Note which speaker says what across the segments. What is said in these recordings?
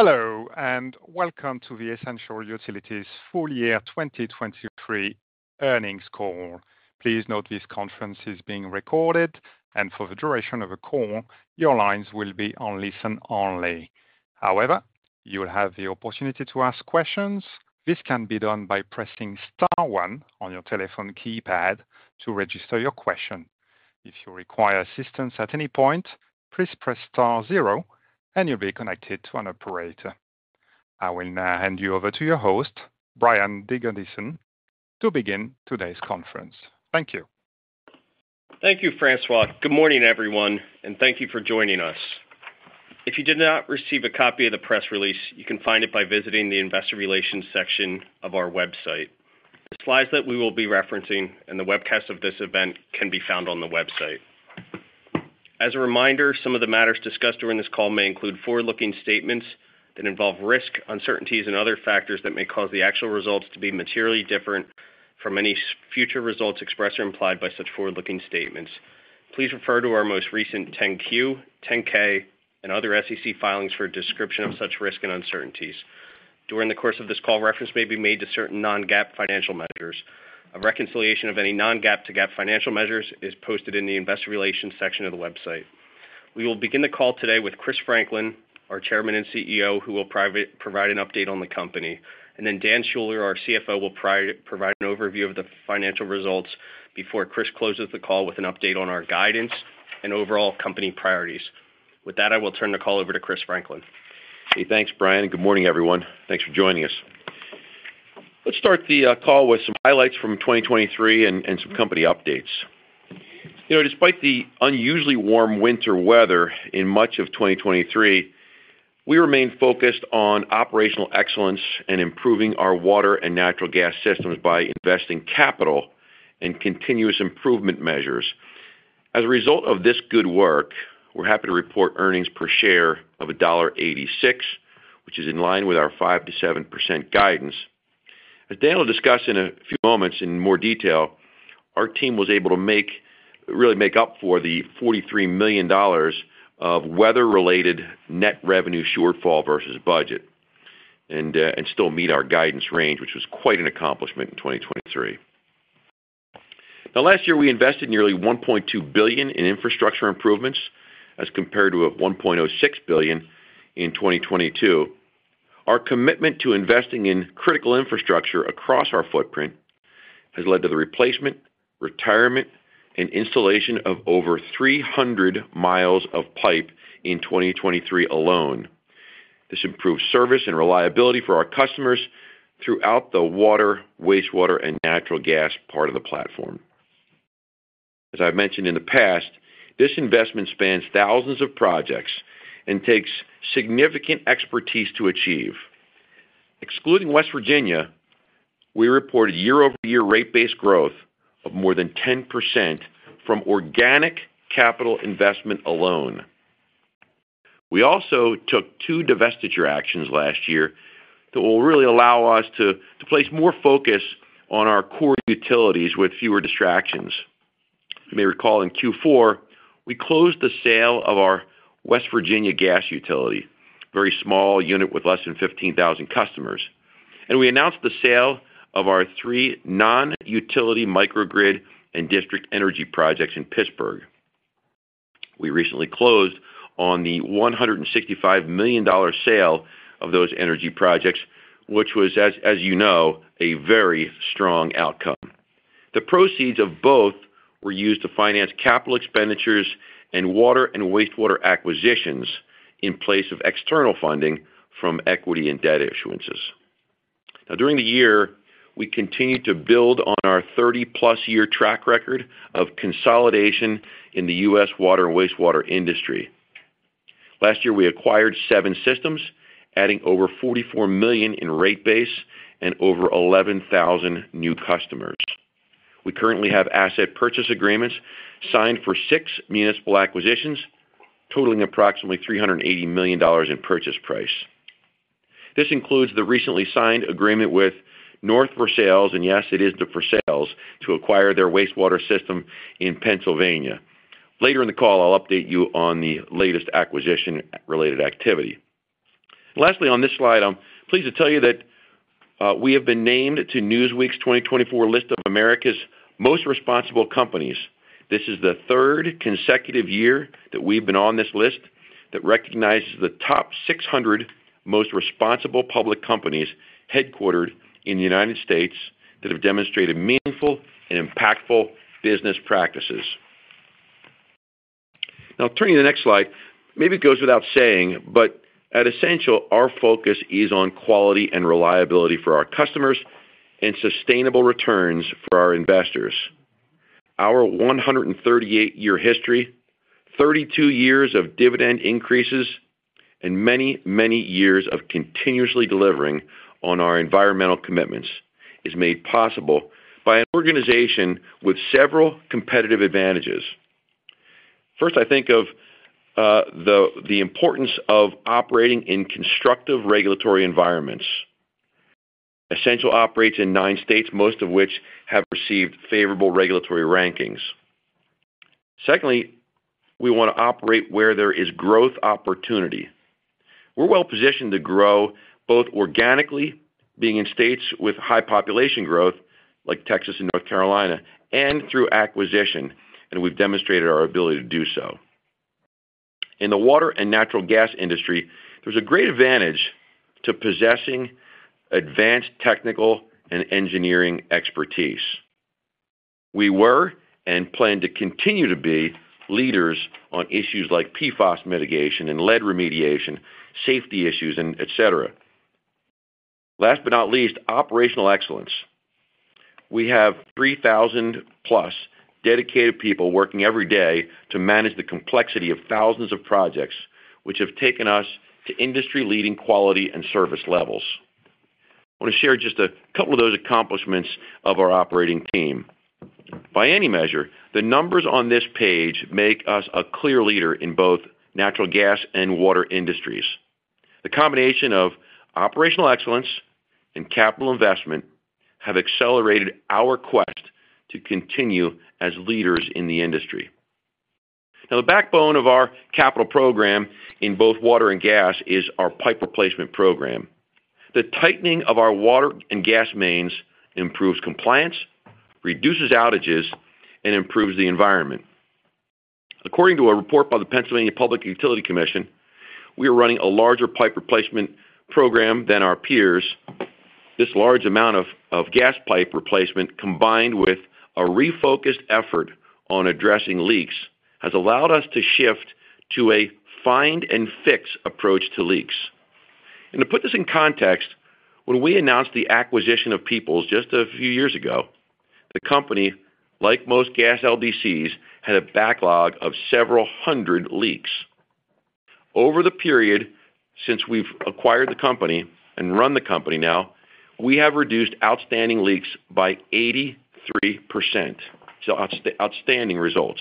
Speaker 1: Hello and welcome to the Essential Utilities full year 2023 earnings call. Please note this conference is being recorded, and for the duration of the call, your lines will be on listen only. However, you will have the opportunity to ask questions. This can be done by pressing star one on your telephone keypad to register your question. If you require assistance at any point, please press *0 and you'll be connected to an operator. I will now hand you over to your host, Brian Dingerdissen, to begin today's conference. Thank you.
Speaker 2: Thank you, François. Good morning, everyone, and thank you for joining us. If you did not receive a copy of the press release, you can find it by visiting the Investor Relations section of our website. The slides that we will be referencing and the webcast of this event can be found on the website. As a reminder, some of the matters discussed during this call may include forward-looking statements that involve risk, uncertainties, and other factors that may cause the actual results to be materially different from any future results expressed or implied by such forward-looking statements. Please refer to our most recent 10Q, 10K, and other SEC filings for a description of such risk and uncertainties. During the course of this call, reference may be made to certain non-GAAP financial measures. A reconciliation of any non-GAAP to GAAP financial measures is posted in the Investor Relations section of the website. We will begin the call today with Chris Franklin, our Chairman and CEO, who will provide an update on the company, and then Dan Schuller, our CFO, will provide an overview of the financial results before Chris closes the call with an update on our guidance and overall company priorities. With that, I will turn the call over to Chris Franklin.
Speaker 3: Hey, thanks, Brian, and good morning, everyone. Thanks for joining us. Let's start the call with some highlights from 2023 and some company updates. Despite the unusually warm winter weather in much of 2023, we remain focused on operational excellence and improving our water and natural gas systems by investing capital and continuous improvement measures. As a result of this good work, we're happy to report earnings per share of $1.86, which is in line with our 5%-7% guidance. As Daniel will discuss in a few moments in more detail, our team was able to really make up for the $43 million of weather-related net revenue shortfall versus budget and still meet our guidance range, which was quite an accomplishment in 2023. Now, last year, we invested nearly $1.2 billion in infrastructure improvements as compared to $1.06 billion in 2022. Our commitment to investing in critical infrastructure across our footprint has led to the replacement, retirement, and installation of over 300 miles of pipe in 2023 alone. This improved service and reliability for our customers throughout the water, wastewater, and natural gas part of the platform. As I've mentioned in the past, this investment spans thousands of projects and takes significant expertise to achieve. Excluding West Virginia, we reported year-over-year rate-based growth of more than 10% from organic capital investment alone. We also took two divestiture actions last year that will really allow us to place more focus on our core utilities with fewer distractions. You may recall in Q4, we closed the sale of our West Virginia gas utility, a very small unit with less than 15,000 customers, and we announced the sale of our three non-utility microgrid and district energy projects in Pittsburgh. We recently closed on the $165 million sale of those energy projects, which was, as you know, a very strong outcome. The proceeds of both were used to finance capital expenditures and water and wastewater acquisitions in place of external funding from equity and debt issuances. Now, during the year, we continued to build on our 30-plus-year track record of consolidation in the U.S. water and wastewater industry. Last year, we acquired seven systems, adding over $44 million in rate base and over 11,000 new customers. We currently have asset purchase agreements signed for six municipal acquisitions, totaling approximately $380 million in purchase price. This includes the recently signed agreement with North Versailles, and yes, it is the Versailles, to acquire their wastewater system in Pennsylvania. Later in the call, I'll update you on the latest acquisition-related activity. Lastly, on this slide, I'm pleased to tell you that we have been named to Newsweek's 2024 list of America's most responsible companies. This is the third consecutive year that we've been on this list that recognizes the top 600 most responsible public companies headquartered in the United States that have demonstrated meaningful and impactful business practices. Now, turning to the next slide, maybe it goes without saying, but at Essential, our focus is on quality and reliability for our customers and sustainable returns for our investors. Our 138-year history, 32 years of dividend increases, and many, many years of continuously delivering on our environmental commitments is made possible by an organization with several competitive advantages. First, I think of the importance of operating in constructive regulatory environments. Essential operates in nine states, most of which have received favorable regulatory rankings. Secondly, we want to operate where there is growth opportunity. We're well positioned to grow both organically, being in states with high population growth like Texas and North Carolina, and through acquisition, and we've demonstrated our ability to do so. In the water and natural gas industry, there's a great advantage to possessing advanced technical and engineering expertise. We were and plan to continue to be leaders on issues like PFOS mitigation and lead remediation, safety issues, etc. Last but not least, operational excellence. We have 3,000-plus dedicated people working every day to manage the complexity of thousands of projects, which have taken us to industry-leading quality and service levels. I want to share just a couple of those accomplishments of our operating team. By any measure, the numbers on this page make us a clear leader in both natural gas and water industries. The combination of operational excellence and capital investment have accelerated our quest to continue as leaders in the industry. Now, the backbone of our capital program in both water and gas is our pipe replacement program. The tightening of our water and gas mains improves compliance, reduces outages, and improves the environment. According to a report by the Pennsylvania Public Utility Commission, we are running a larger pipe replacement program than our peers. This large amount of gas pipe replacement, combined with a refocused effort on addressing leaks, has allowed us to shift to a find-and-fix approach to leaks. To put this in context, when we announced the acquisition of Peoples just a few years ago, the company, like most gas LDCs, had a backlog of several hundred leaks. Over the period since we've acquired the company and run the company now, we have reduced outstanding leaks by 83%, so outstanding results.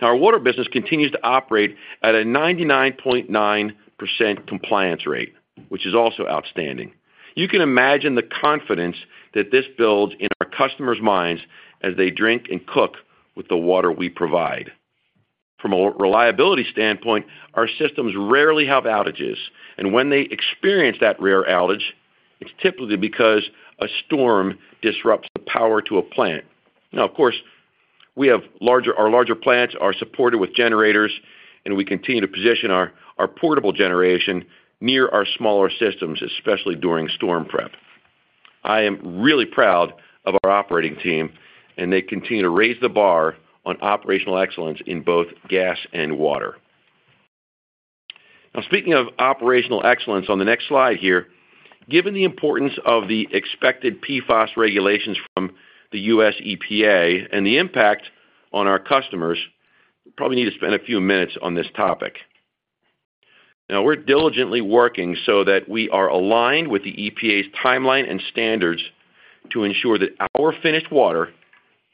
Speaker 3: Now, our water business continues to operate at a 99.9% compliance rate, which is also outstanding. You can imagine the confidence that this builds in our customers' minds as they drink and cook with the water we provide. From a reliability standpoint, our systems rarely have outages, and when they experience that rare outage, it's typically because a storm disrupts the power to a plant. Now, of course, our larger plants are supported with generators, and we continue to position our portable generation near our smaller systems, especially during storm prep. I am really proud of our operating team, and they continue to raise the bar on operational excellence in both gas and water. Now, speaking of operational excellence on the next slide here, given the importance of the expected PFOS regulations from the U.S. EPA and the impact on our customers, we probably need to spend a few minutes on this topic. Now, we're diligently working so that we are aligned with the EPA's timeline and standards to ensure that our finished water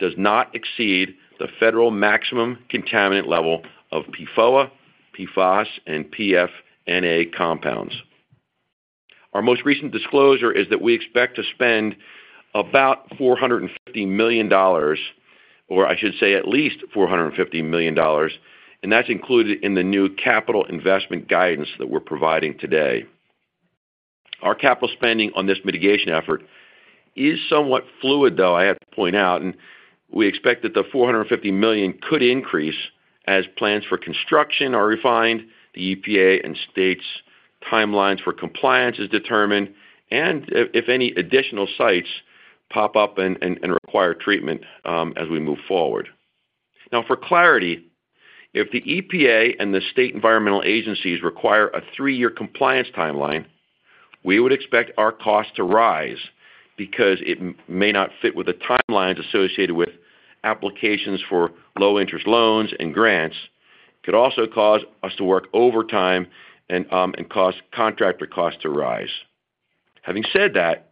Speaker 3: does not exceed the federal maximum contaminant level of PFOA, PFOS, and PFNA compounds. Our most recent disclosure is that we expect to spend about $450 million, or I should say at least $450 million, and that's included in the new capital investment guidance that we're providing today. Our capital spending on this mitigation effort is somewhat fluid, though, I have to point out, and we expect that the $450 million could increase as plans for construction are refined, the EPA and states' timelines for compliance are determined, and if any additional sites pop up and require treatment as we move forward. Now, for clarity, if the EPA and the state environmental agencies require a three-year compliance timeline, we would expect our costs to rise because it may not fit with the timelines associated with applications for low-interest loans and grants. It could also cause us to work overtime and cause contractor costs to rise. Having said that,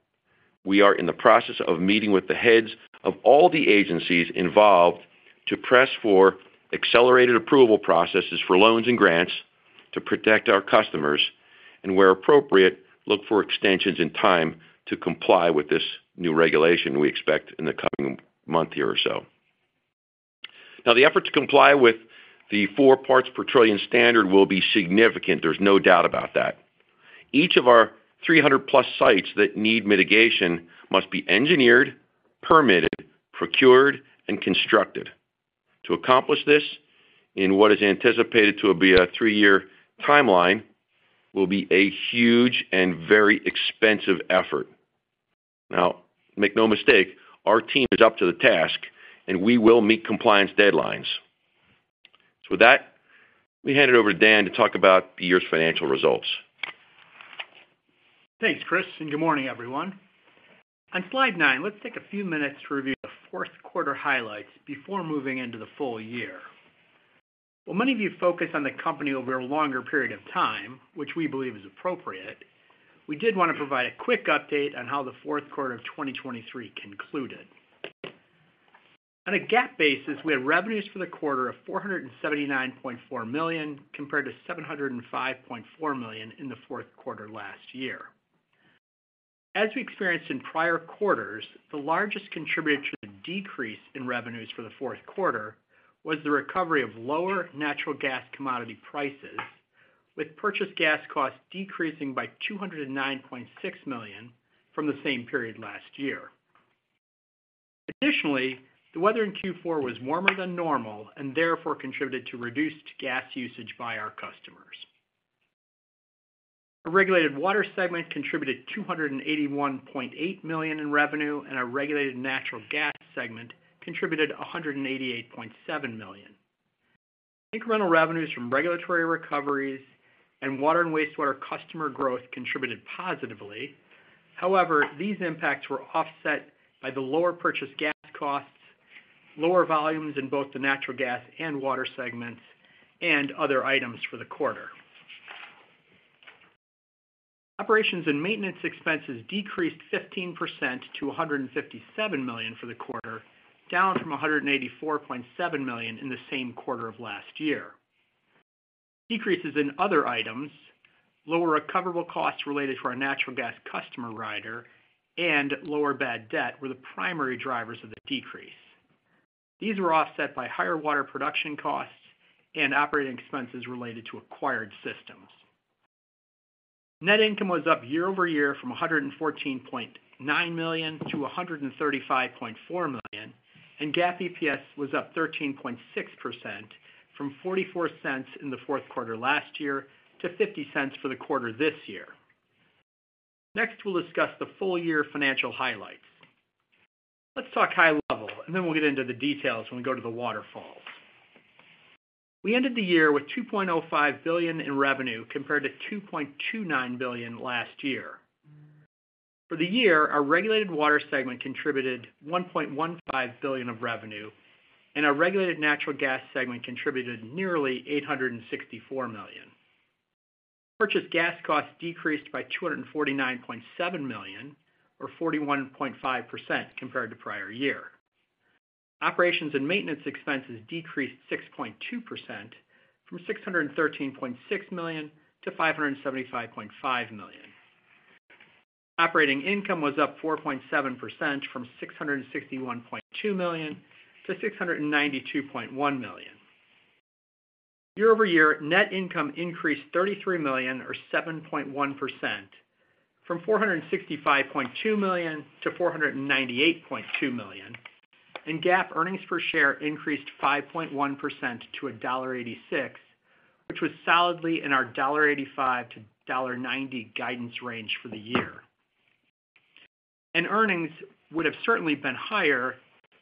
Speaker 3: we are in the process of meeting with the heads of all the agencies involved to press for accelerated approval processes for loans and grants to protect our customers and, where appropriate, look for extensions in time to comply with this new regulation we expect in the coming month here or so. Now, the effort to comply with the 4 parts per trillion standard will be significant. There's no doubt about that. Each of our 300+ sites that need mitigation must be engineered, permitted, procured, and constructed. To accomplish this in what is anticipated to be a three-year timeline will be a huge and very expensive effort. Now, make no mistake, our team is up to the task, and we will meet compliance deadlines. So with that, we hand it over to Dan to talk about the year's financial results.
Speaker 4: Thanks, Chris, and good morning, everyone. On slide nine, let's take a few minutes to review the fourth-quarter highlights before moving into the full year. While many of you focused on the company over a longer period of time, which we believe is appropriate, we did want to provide a quick update on how the fourth quarter of 2023 concluded. On a GAAP basis, we had revenues for the quarter of $479.4 million compared to $705.4 million in the fourth quarter last year. As we experienced in prior quarters, the largest contributor to the decrease in revenues for the fourth quarter was the recovery of lower natural gas commodity prices, with purchased gas costs decreasing by $209.6 million from the same period last year. Additionally, the weather in Q4 was warmer than normal and therefore contributed to reduced gas usage by our customers. A regulated water segment contributed $281.8 million in revenue, and a regulated natural gas segment contributed $188.7 million. Incremental revenues from regulatory recoveries and water and wastewater customer growth contributed positively. However, these impacts were offset by the lower purchase gas costs, lower volumes in both the natural gas and water segments, and other items for the quarter. Operations and maintenance expenses decreased 15% to $157 million for the quarter, down from $184.7 million in the same quarter of last year. Decreases in other items, lower recoverable costs related to our natural gas customer rider, and lower bad debt were the primary drivers of the decrease. These were offset by higher water production costs and operating expenses related to acquired systems. Net income was up year-over-year from $114.9 million-$135.4 million, and GAAP EPS was up 13.6% from $0.44 in the fourth quarter last year to $0.50 for the quarter this year. Next, we'll discuss the full-year financial highlights. Let's talk high level, and then we'll get into the details when we go to the waterfalls. We ended the year with $2.05 billion in revenue compared to $2.29 billion last year. For the year, our regulated water segment contributed $1.15 billion of revenue, and our regulated natural gas segment contributed nearly $864 million. Purchase gas costs decreased by $249.7 million, or 41.5% compared to prior year. Operations and maintenance expenses decreased 6.2% from $613.6 million-$575.5 million. Operating income was up 4.7% from $661.2 million-$692.1 million. Year-over-year, net income increased $33 million, or 7.1%, from $465.2 million to $498.2 million, and GAAP earnings per share increased 5.1% to $1.86, which was solidly in our $1.85-$1.90 guidance range for the year. Earnings would have certainly been higher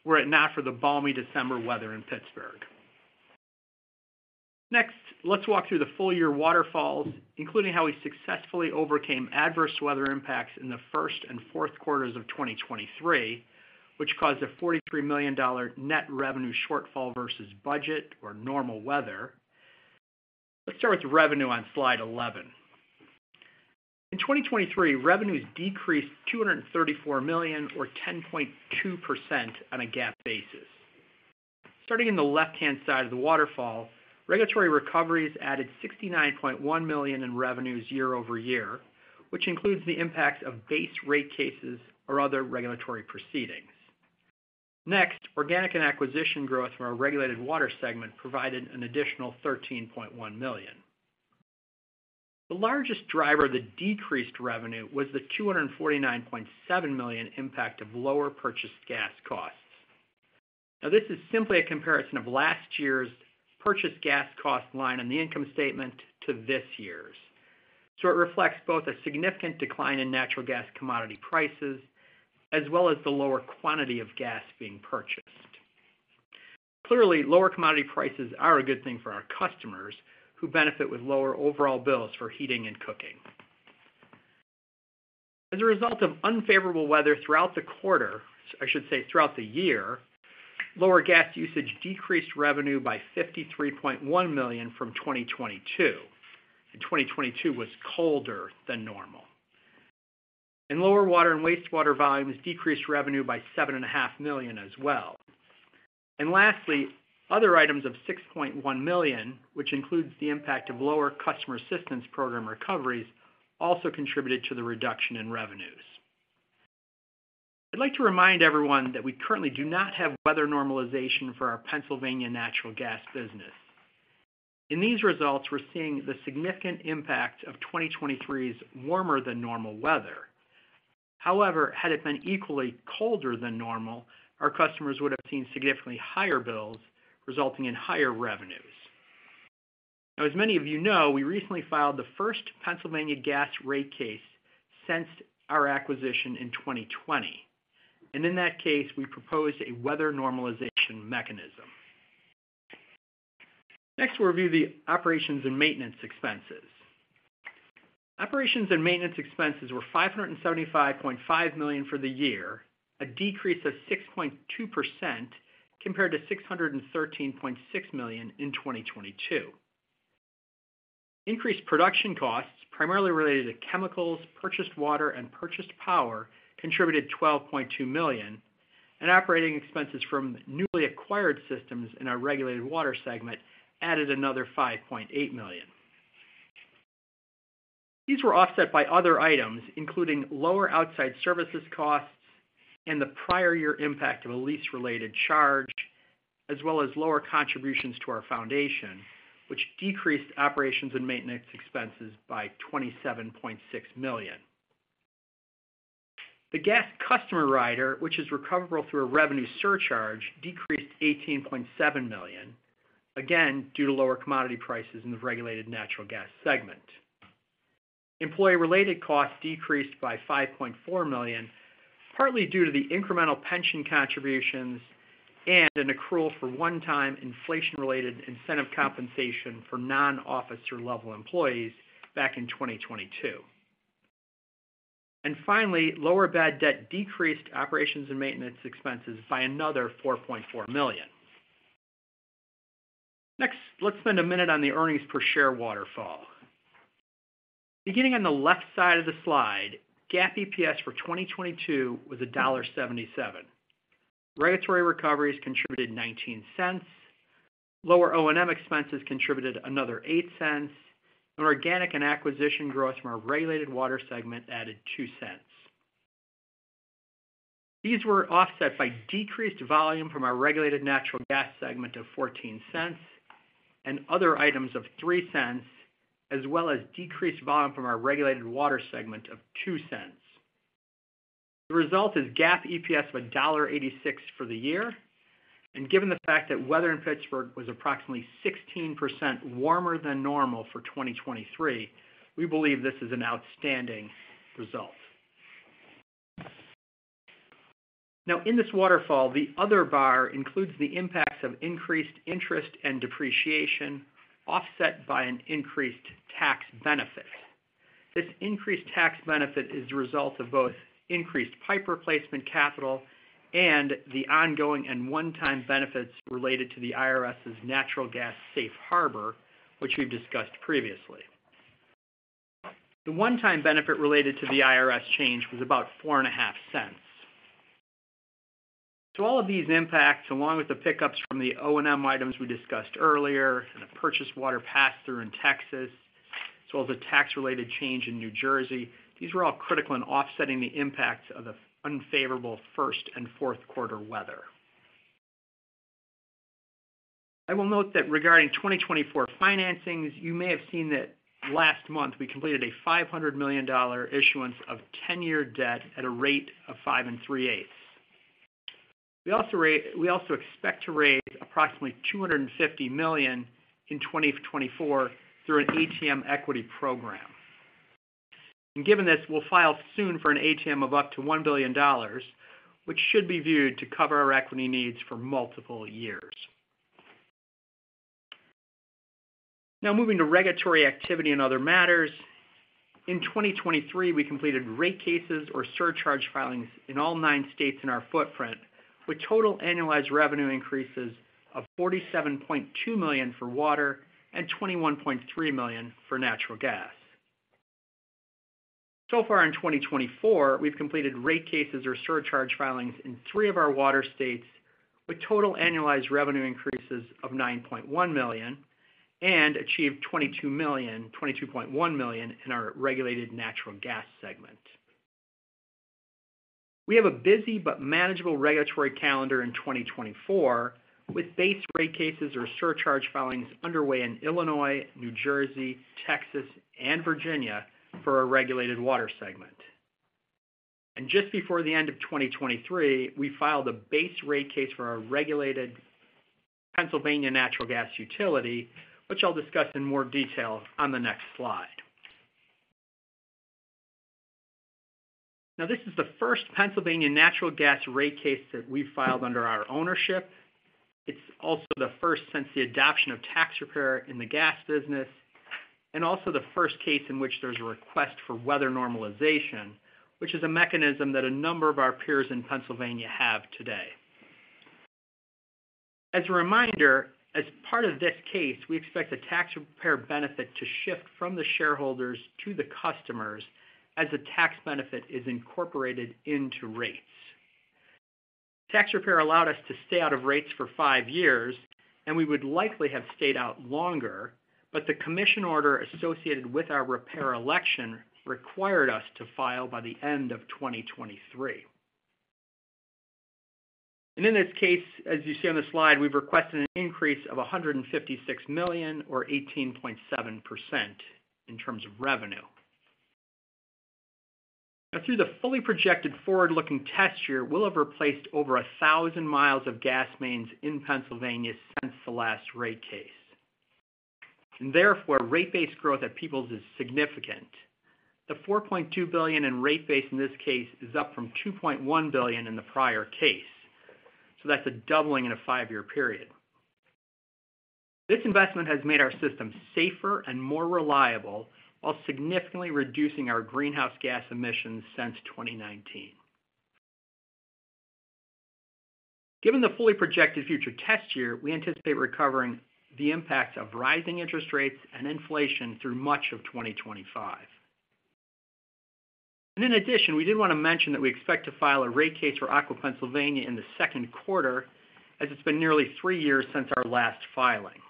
Speaker 4: were it not for the balmy December weather in Pittsburgh. Next, let's walk through the full-year waterfalls, including how we successfully overcame adverse weather impacts in the first and fourth quarters of 2023, which caused a $43 million net revenue shortfall versus budget, or normal weather. Let's start with revenue on slide 11. In 2023, revenues decreased $234 million, or 10.2%, on a GAAP basis. Starting in the left-hand side of the waterfall, regulatory recoveries added $69.1 million in revenues year-over-year, which includes the impacts of base rate cases or other regulatory proceedings. Next, organic and acquisition growth from our regulated water segment provided an additional $13.1 million. The largest driver of the decreased revenue was the $249.7 million impact of lower purchased gas costs. Now, this is simply a comparison of last year's purchased gas cost line on the income statement to this year's. So it reflects both a significant decline in natural gas commodity prices as well as the lower quantity of gas being purchased. Clearly, lower commodity prices are a good thing for our customers who benefit with lower overall bills for heating and cooking. As a result of unfavorable weather throughout the quarter, I should say throughout the year, lower gas usage decreased revenue by $53.1 million from 2022, and 2022 was colder than normal. Lower water and wastewater volumes decreased revenue by $7.5 million as well. Lastly, other items of $6.1 million, which includes the impact of lower customer assistance program recoveries, also contributed to the reduction in revenues. I'd like to remind everyone that we currently do not have weather normalization for our Pennsylvania natural gas business. In these results, we're seeing the significant impact of 2023's warmer-than-normal weather. However, had it been equally colder than normal, our customers would have seen significantly higher bills, resulting in higher revenues. Now, as many of you know, we recently filed the first Pennsylvania gas rate case since our acquisition in 2020. And in that case, we proposed a weather normalization mechanism. Next, we'll review the operations and maintenance expenses. Operations and maintenance expenses were $575.5 million for the year, a decrease of 6.2% compared to $613.6 million in 2022. Increased production costs, primarily related to chemicals, purchased water, and purchased power, contributed $12.2 million, and operating expenses from newly acquired systems in our regulated water segment added another $5.8 million. These were offset by other items, including lower outside services costs and the prior year impact of a lease-related charge, as well as lower contributions to our foundation, which decreased operations and maintenance expenses by $27.6 million. The gas customer rider, which is recoverable through a revenue surcharge, decreased $18.7 million, again due to lower commodity prices in the regulated natural gas segment. Employee-related costs decreased by $5.4 million, partly due to the incremental pension contributions and an accrual for one-time inflation-related incentive compensation for non-officer-level employees back in 2022. Finally, lower bad debt decreased operations and maintenance expenses by another $4.4 million. Next, let's spend a minute on the earnings per share waterfall. Beginning on the left side of the slide, GAAP EPS for 2022 was $1.77. Regulatory recoveries contributed $0.19, lower O&M expenses contributed another $0.08, and organic and acquisition growth from our regulated water segment added $0.02. These were offset by decreased volume from our regulated natural gas segment of $0.14 and other items of $0.03, as well as decreased volume from our regulated water segment of $0.02. The result is GAAP EPS of $1.86 for the year. And given the fact that weather in Pittsburgh was approximately 16% warmer than normal for 2023, we believe this is an outstanding result. Now, in this waterfall, the other bar includes the impacts of increased interest and depreciation offset by an increased tax benefit. This increased tax benefit is the result of both increased pipe replacement capital and the ongoing and one-time benefits related to the IRS's natural gas safe harbor, which we've discussed previously. The one-time benefit related to the IRS change was about $0.04. So all of these impacts, along with the pickups from the O&M items we discussed earlier and the purchased water pass-through in Texas, as well as the tax-related change in New Jersey, these were all critical in offsetting the impacts of the unfavorable first and fourth quarter weather. I will note that regarding 2024 financings, you may have seen that last month we completed a $500 million issuance of 10-year debt at a rate of 5.38%. We also expect to raise approximately $250 million in 2024 through an ATM equity program. Given this, we'll file soon for an ATM of up to $1 billion, which should be viewed to cover our equity needs for multiple years. Now, moving to regulatory activity and other matters, in 2023, we completed rate cases, or surcharge filings, in all nine states in our footprint, with total annualized revenue increases of $47.2 million for water and $21.3 million for natural gas. So far in 2024, we've completed rate cases, or surcharge filings, in three of our water states, with total annualized revenue increases of $9.1 million and achieved $22.1 million in our regulated natural gas segment. We have a busy but manageable regulatory calendar in 2024, with base rate cases, or surcharge filings, underway in Illinois, New Jersey, Texas, and Virginia for our regulated water segment. Just before the end of 2023, we filed a base rate case for our regulated Pennsylvania natural gas utility, which I'll discuss in more detail on the next slide. Now, this is the first Pennsylvania natural gas rate case that we've filed under our ownership. It's also the first since the adoption of Tax Repair in the gas business, and also the first case in which there's a request for Weather Normalization, which is a mechanism that a number of our peers in Pennsylvania have today. As a reminder, as part of this case, we expect the Tax Repair benefit to shift from the shareholders to the customers as the tax benefit is incorporated into rates. Tax Repair allowed us to stay out of rates for five years, and we would likely have stayed out longer, but the Commission order associated with our repair election required us to file by the end of 2023. In this case, as you see on the slide, we've requested an increase of $156 million, or 18.7%, in terms of revenue. Now, through the fully projected forward-looking test year, We'll have replaced over 1,000 miles of gas mains in Pennsylvania since the last rate case. Therefore, rate-based growth at Peoples is significant. The $4.2 billion in rate base in this case is up from $2.1 billion in the prior case. So that's a doubling in a five-year period. This investment has made our system safer and more reliable while significantly reducing our greenhouse gas emissions since 2019. Given the fully projected future test year, we anticipate recovering the impacts of rising interest rates and inflation through much of 2025. In addition, we did want to mention that we expect to file a rate case for Aqua Pennsylvania in the second quarter, as it's been nearly three years since our last filing.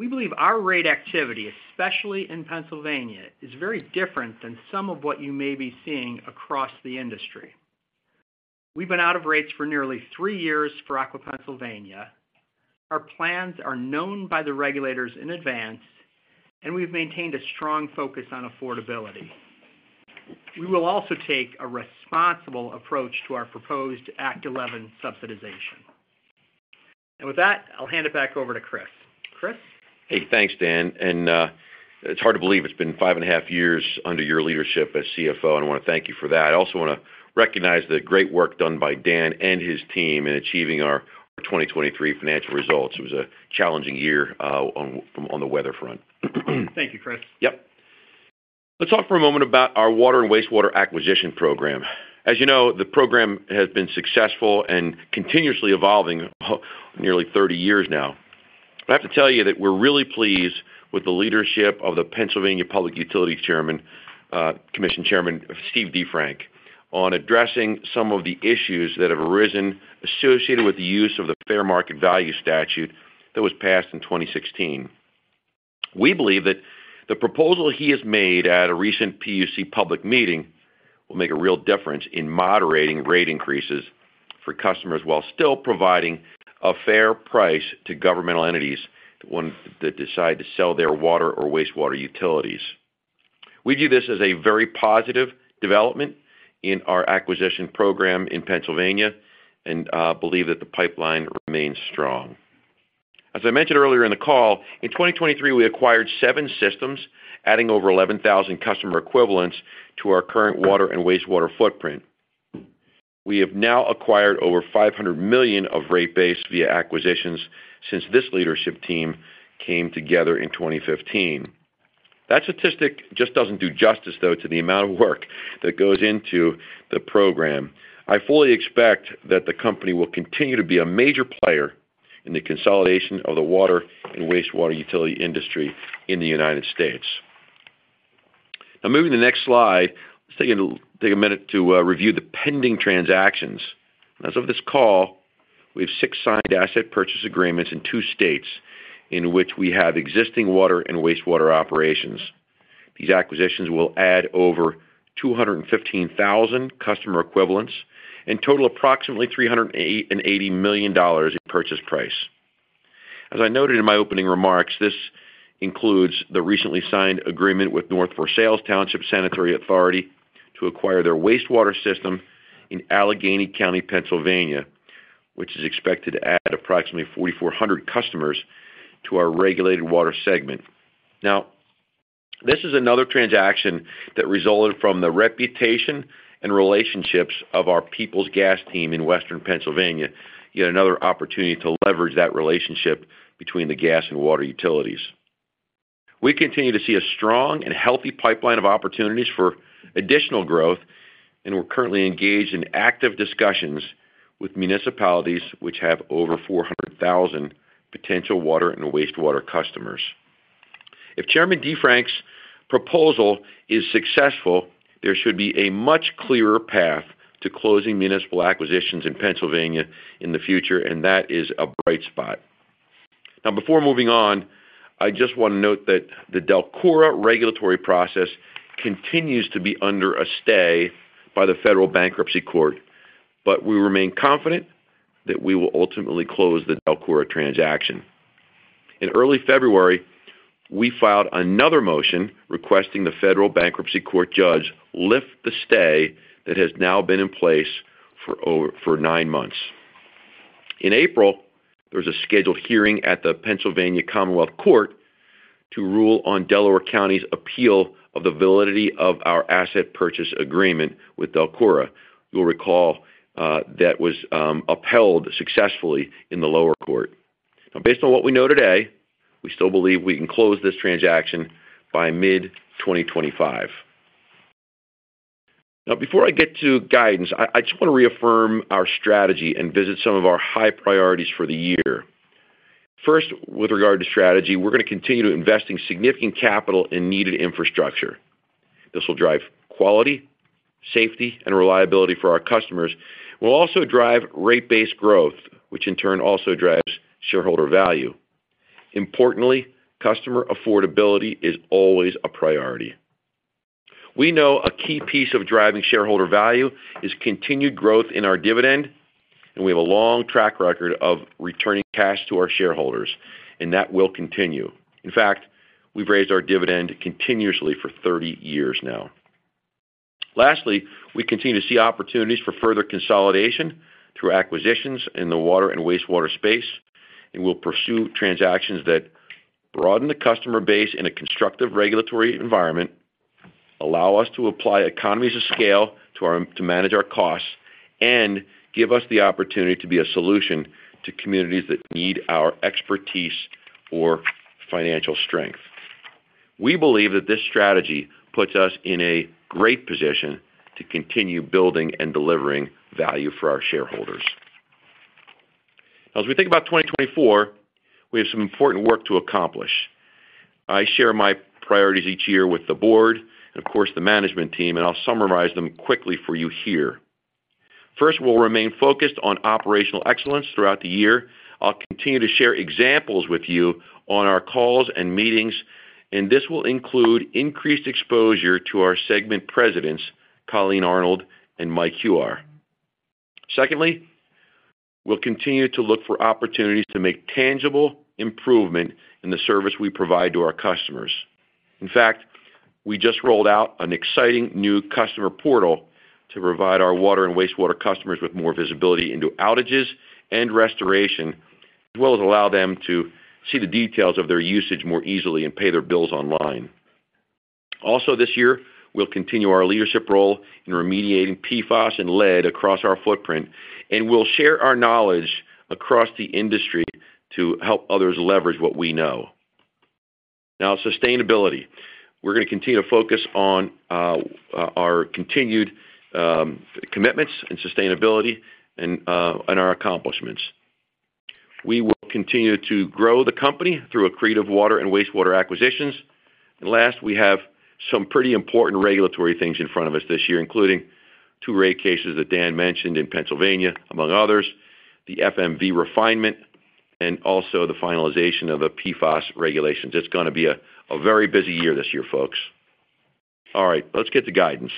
Speaker 4: We believe our rate activity, especially in Pennsylvania, is very different than some of what you may be seeing across the industry. We've been out of rates for nearly three years for Aqua Pennsylvania. Our plans are known by the regulators in advance, and we've maintained a strong focus on affordability. We will also take a responsible approach to our proposed Act 11 subsidization. With that, I'll hand it back over to Chris. Chris?
Speaker 3: Hey, thanks, Dan. It's hard to believe it's been 5.5 years under your leadership as CFO, and I want to thank you for that. I also want to recognize the great work done by Dan and his team in achieving our 2023 financial results. It was a challenging year on the weather front. Thank you, Chris. Yep. Let's talk for a moment about our water and wastewater acquisition program. As you know, the program has been successful and continuously evolving nearly 30 years now. I have to tell you that we're really pleased with the leadership of the Pennsylvania Public Utility Commission Chairman, Stephen DeFrank, on addressing some of the issues that have arisen associated with the use of the Fair Market Value Statute that was passed in 2016. We believe that the proposal he has made at a recent PUC public meeting will make a real difference in moderating rate increases for customers while still providing a fair price to governmental entities that decide to sell their water or wastewater utilities. We view this as a very positive development in our acquisition program in Pennsylvania and believe that the pipeline remains strong. As I mentioned earlier in the call, in 2023, we acquired seven systems, adding over 11,000 customer equivalents to our current water and wastewater footprint. We have now acquired over $500 million of rate base via acquisitions since this leadership team came together in 2015. That statistic just doesn't do justice, though, to the amount of work that goes into the program. I fully expect that the company will continue to be a major player in the consolidation of the water and wastewater utility industry in the United States. Now, moving to the next slide, let's take a minute to review the pending transactions. As of this call, we have six signed asset purchase agreements in two states in which we have existing water and wastewater operations. These acquisitions will add over 215,000 customer equivalents and total approximately $380 million in purchase price. As I noted in my opening remarks, this includes the recently signed agreement with North Versailles Township Sanitary Authority to acquire their wastewater system in Allegheny County, Pennsylvania, which is expected to add approximately 4,400 customers to our regulated water segment. Now, this is another transaction that resulted from the reputation and relationships of our Peoples Gas team in Western Pennsylvania, yet another opportunity to leverage that relationship between the gas and water utilities. We continue to see a strong and healthy pipeline of opportunities for additional growth, and we're currently engaged in active discussions with municipalities, which have over 400,000 potential water and wastewater customers. If Chairman DeFrank's proposal is successful, there should be a much clearer path to closing municipal acquisitions in Pennsylvania in the future, and that is a bright spot. Now, before moving on, I just want to note that the DELCORA regulatory process continues to be under a stay by the Federal Bankruptcy Court, but we remain confident that we will ultimately close the DELCORA transaction. In early February, we filed another motion requesting the Federal Bankruptcy Court judge lift the stay that has now been in place for nine months. In April, there's a scheduled hearing at the Pennsylvania Commonwealth Court to rule on Delaware County's appeal of the validity of our asset purchase agreement with DELCORA. You'll recall that was upheld successfully in the lower court. Now, based on what we know today, we still believe we can close this transaction by mid-2025. Now, before I get to guidance, I just want to reaffirm our strategy and visit some of our high priorities for the year. First, with regard to strategy, we're going to continue to invest in significant capital in needed infrastructure. This will drive quality, safety, and reliability for our customers. It will also drive rate-based growth, which in turn also drives shareholder value. Importantly, customer affordability is always a priority. We know a key piece of driving shareholder value is continued growth in our dividend, and we have a long track record of returning cash to our shareholders, and that will continue. In fact, we've raised our dividend continuously for 30 years now. Lastly, we continue to see opportunities for further consolidation through acquisitions in the water and wastewater space, and we'll pursue transactions that broaden the customer base in a constructive regulatory environment, allow us to apply economies of scale to manage our costs, and give us the opportunity to be a solution to communities that need our expertise or financial strength. We believe that this strategy puts us in a great position to continue building and delivering value for our shareholders. Now, as we think about 2024, we have some important work to accomplish. I share my priorities each year with the board and, of course, the management team, and I'll summarize them quickly for you here. First, we'll remain focused on operational excellence throughout the year. I'll continue to share examples with you on our calls and meetings, and this will include increased exposure to our segment presidents, Colleen Arnold and Mike Huwar. Secondly, we'll continue to look for opportunities to make tangible improvement in the service we provide to our customers. In fact, we just rolled out an exciting new customer portal to provide our water and wastewater customers with more visibility into outages and restoration, as well as allow them to see the details of their usage more easily and pay their bills online. Also, this year, we'll continue our leadership role in remediating PFOS and lead across our footprint, and we'll share our knowledge across the industry to help others leverage what we know. Now, sustainability. We're going to continue to focus on our continued commitments in sustainability and our accomplishments. We will continue to grow the company through creative water and wastewater acquisitions. Last, we have some pretty important regulatory things in front of us this year, including two rate cases that Dan mentioned in Pennsylvania, among others, the FMV refinement, and also the finalization of the PFOS regulations. It's going to be a very busy year this year, folks. All right, let's get to guidance.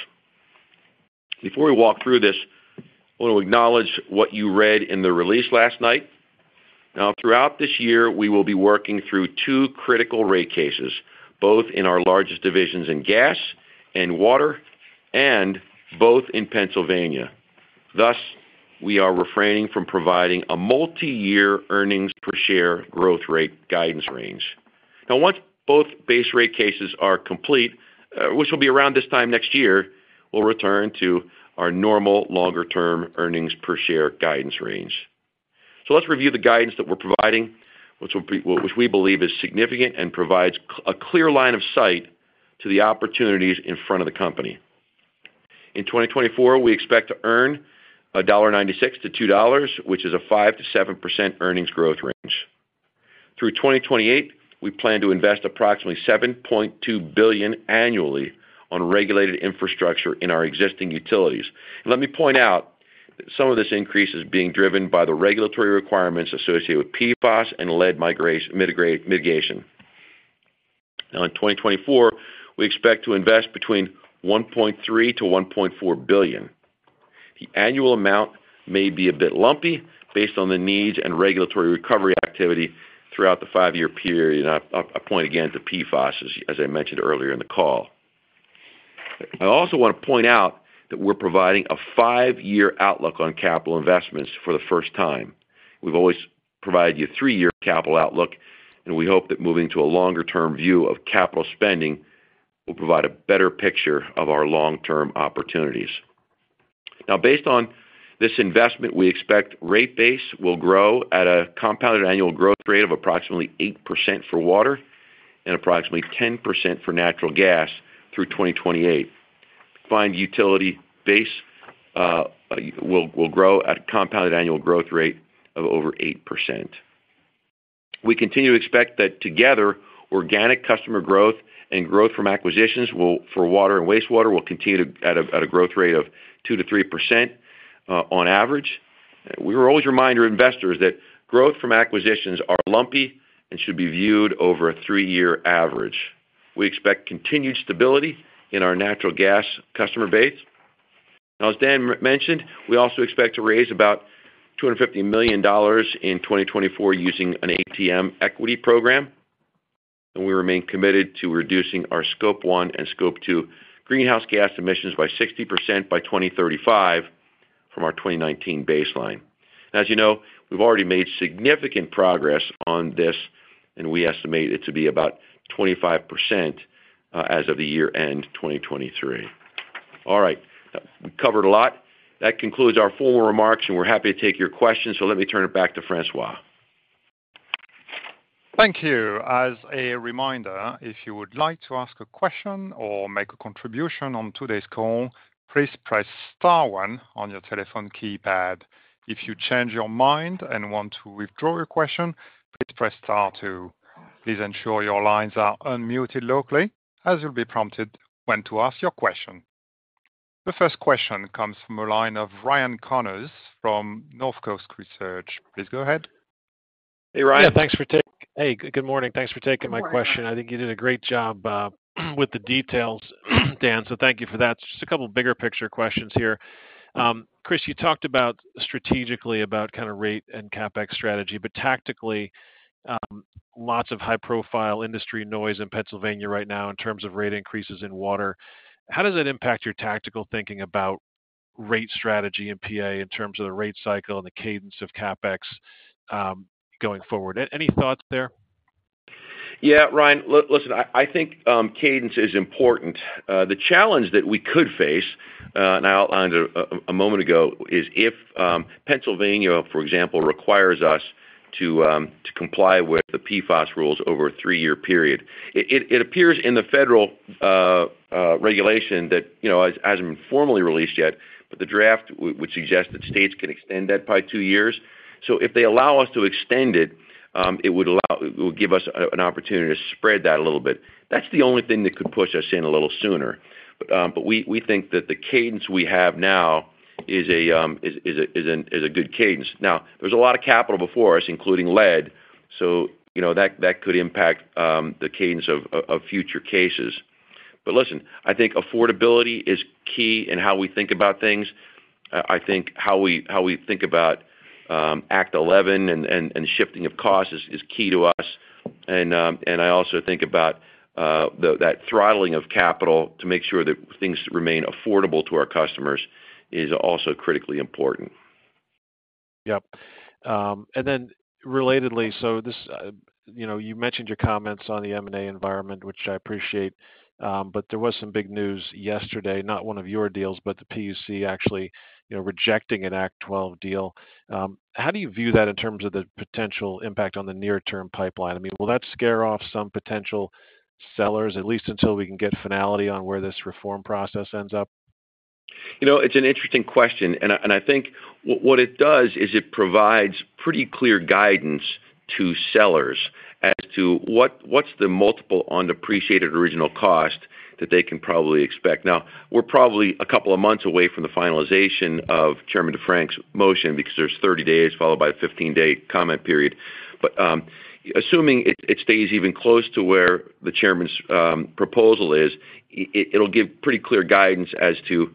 Speaker 3: Before we walk through this, I want to acknowledge what you read in the release last night. Now, throughout this year, we will be working through two critical rate cases, both in our largest divisions in gas and water and both in Pennsylvania. Thus, we are refraining from providing a multi-year earnings per share growth rate guidance range. Now, once both base rate cases are complete, which will be around this time next year, we'll return to our normal longer-term earnings per share guidance range. So let's review the guidance that we're providing, which we believe is significant and provides a clear line of sight to the opportunities in front of the company. In 2024, we expect to earn $1.96-$2, which is a 5%-7% earnings growth range. Through 2028, we plan to invest approximately $7.2 billion annually on regulated infrastructure in our existing utilities. Let me point out that some of this increase is being driven by the regulatory requirements associated with PFOS and lead mitigation. Now, in 2024, we expect to invest between $1.3-$1.4 billion. The annual amount may be a bit lumpy based on the needs and regulatory recovery activity throughout the five-year period. I point again to PFOS, as I mentioned earlier in the call. I also want to point out that we're providing a five-year outlook on capital investments for the first time. We've always provided you a three-year capital outlook, and we hope that moving to a longer-term view of capital spending will provide a better picture of our long-term opportunities. Now, based on this investment, we expect rate base will grow at a compounded annual growth rate of approximately 8% for water and approximately 10% for natural gas through 2028. Rate base will grow at a compounded annual growth rate of over 8%. We continue to expect that together, organic customer growth and growth from acquisitions for water and wastewater will continue at a growth rate of 2%-3% on average. We will always remind our investors that growth from acquisitions are lumpy and should be viewed over a three-year average. We expect continued stability in our natural gas customer base. Now, as Dan mentioned, we also expect to raise about $250 million in 2024 using an ATM equity program, and we remain committed to reducing our Scope 1 and Scope 2 greenhouse gas emissions by 60% by 2035 from our 2019 baseline. And as you know, we've already made significant progress on this, and we estimate it to be about 25% as of the year-end 2023. All right. We covered a lot. That concludes our formal remarks, and we're happy to take your questions. So let me turn it back to Francois.
Speaker 1: Thank you. As a reminder, if you would like to ask a question or make a contribution on today's call, please press star one on your telephone keypad. If you change your mind and want to withdraw your question, please press star two. Please ensure your lines are unmuted locally as you'll be prompted when to ask your question. The first question comes from a line of Ryan Connors from Northcoast Research. Please go ahead.
Speaker 5: Hey, good morning. Thanks for taking my question. I think you did a great job with the details, Dan. So thank you for that. Just a couple of bigger picture questions here.
Speaker 4: Chris, you talked strategically about kind of rate and CapEx strategy, but tactically, lots of high-profile industry noise in Pennsylvania right now in terms of rate increases in water. How does that impact your tactical thinking about rate strategy and PA in terms of the rate cycle and the cadence of CapEx going forward? Any thoughts there?
Speaker 3: Yeah, Ryan. Listen, I think cadence is important. The challenge that we could face, and I outlined it a moment ago, is if Pennsylvania, for example, requires us to comply with the PFOS rules over a three-year period. It appears in the federal regulation that hasn't been formally released yet, but the draft would suggest that states can extend that by two years. So if they allow us to extend it, it would give us an opportunity to spread that a little bit. That's the only thing that could push us in a little sooner. But we think that the cadence we have now is a good cadence. Now, there's a lot of capital before us, including lead, so that could impact the cadence of future cases. But listen, I think affordability is key in how we think about things. I think how we think about Act 11 and shifting of costs is key to us. And I also think about that throttling of capital to make sure that things remain affordable to our customers is also critically important.
Speaker 5: Yep. And then relatedly, so you mentioned your comments on the M&A environment, which I appreciate, but there was some big news yesterday, not one of your deals, but the PUC actually rejecting an Act 12 deal. How do you view that in terms of the potential impact on the near-term pipeline? I mean, will that scare off some potential sellers, at least until we can get finality on where this reform process ends up?
Speaker 3: It's an interesting question, and I think what it does is it provides pretty clear guidance to sellers as to what's the multiple on depreciated original cost that they can probably expect. Now, we're probably a couple of months away from the finalization of Chairman DeFrank's motion because there's 30 days followed by a 15-day comment period. But assuming it stays even close to where the Chairman's proposal is, it'll give pretty clear guidance as to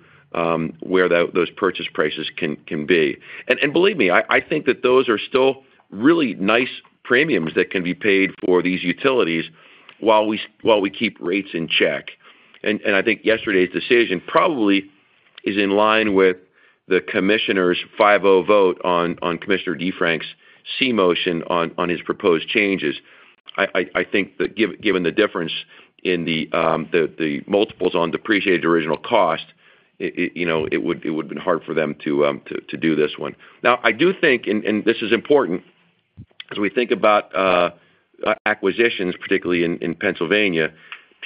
Speaker 3: where those purchase prices can be. And believe me, I think that those are still really nice premiums that can be paid for these utilities while we keep rates in check. I think yesterday's decision probably is in line with the Commissioner's 5-0 vote on Commissioner DeFrank's C motion on his proposed changes. I think that given the difference in the multiples on depreciated original cost, it would have been hard for them to do this one. Now, I do think, and this is important, as we think about acquisitions, particularly in Pennsylvania,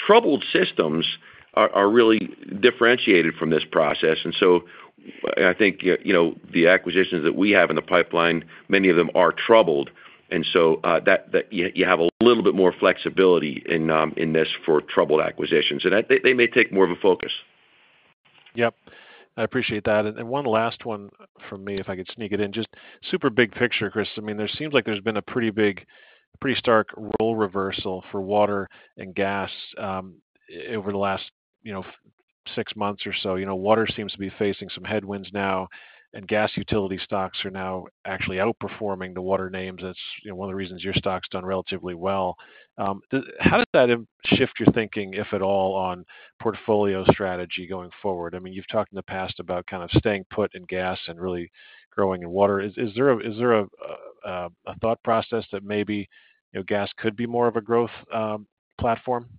Speaker 3: troubled systems are really differentiated from this process. And so I think the acquisitions that we have in the pipeline, many of them are troubled. And so you have a little bit more flexibility in this for troubled acquisitions, and they may take more of a focus.
Speaker 5: Yep. I appreciate that. One last one from me, if I could sneak it in. Just super big picture, Chris. I mean, there seems like there's been a pretty stark role reversal for water and gas over the last six months or so. Water seems to be facing some headwinds now, and gas utility stocks are now actually outperforming the water names. That's one of the reasons your stock's done relatively well. How does that shift your thinking, if at all, on portfolio strategy going forward? I mean, you've talked in the past about kind of staying put in gas and really growing in water. Is there a thought process that maybe gas could be more of a growth platform?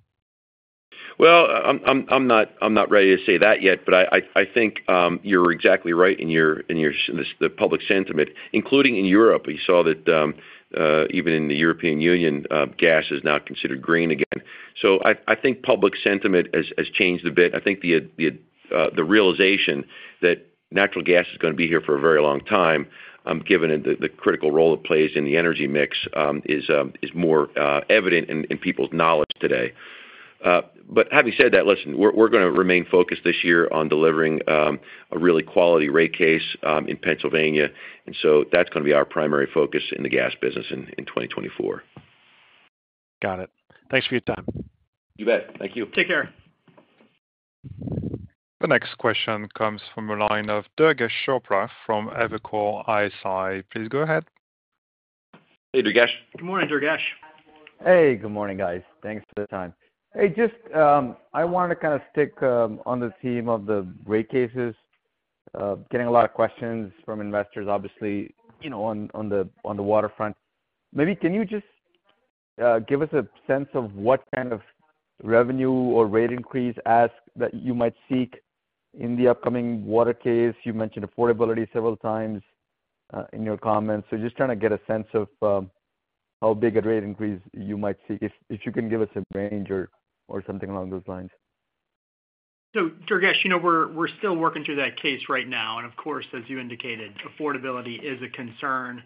Speaker 3: Well, I'm not ready to say that yet, but I think you're exactly right in the public sentiment, including in Europe. You saw that even in the European Union, gas is now considered green again. So I think public sentiment has changed a bit.
Speaker 4: I think the realization that natural gas is going to be here for a very long time, given the critical role it plays in the energy mix, is more evident in people's knowledge today. But having said that, listen, we're going to remain focused this year on delivering a really quality rate case in Pennsylvania. And so that's going to be our primary focus in the gas business in 2024.
Speaker 5: Got it. Thanks for your time.
Speaker 3: You bet. Thank you. Take care.
Speaker 1: The next question comes from a line of Durgesh Chopra from Evercore ISI. Please go ahead.
Speaker 3: Hey, Durgesh.
Speaker 4: Good morning, Durgesh.
Speaker 6: Hey, good morning, guys. Thanks for the time. Hey, just I wanted to kind of stick on the theme of the rate cases. Getting a lot of questions from investors, obviously, on the waterfront. Maybe can you just give us a sense of what kind of revenue or rate increase that you might seek in the upcoming water case? You mentioned affordability several times in your comments. So just trying to get a sense of how big a rate increase you might seek, if you can give us a range or something along those lines.
Speaker 4: So Durgesh, we're still working through that case right now. Of course, as you indicated, affordability is a concern.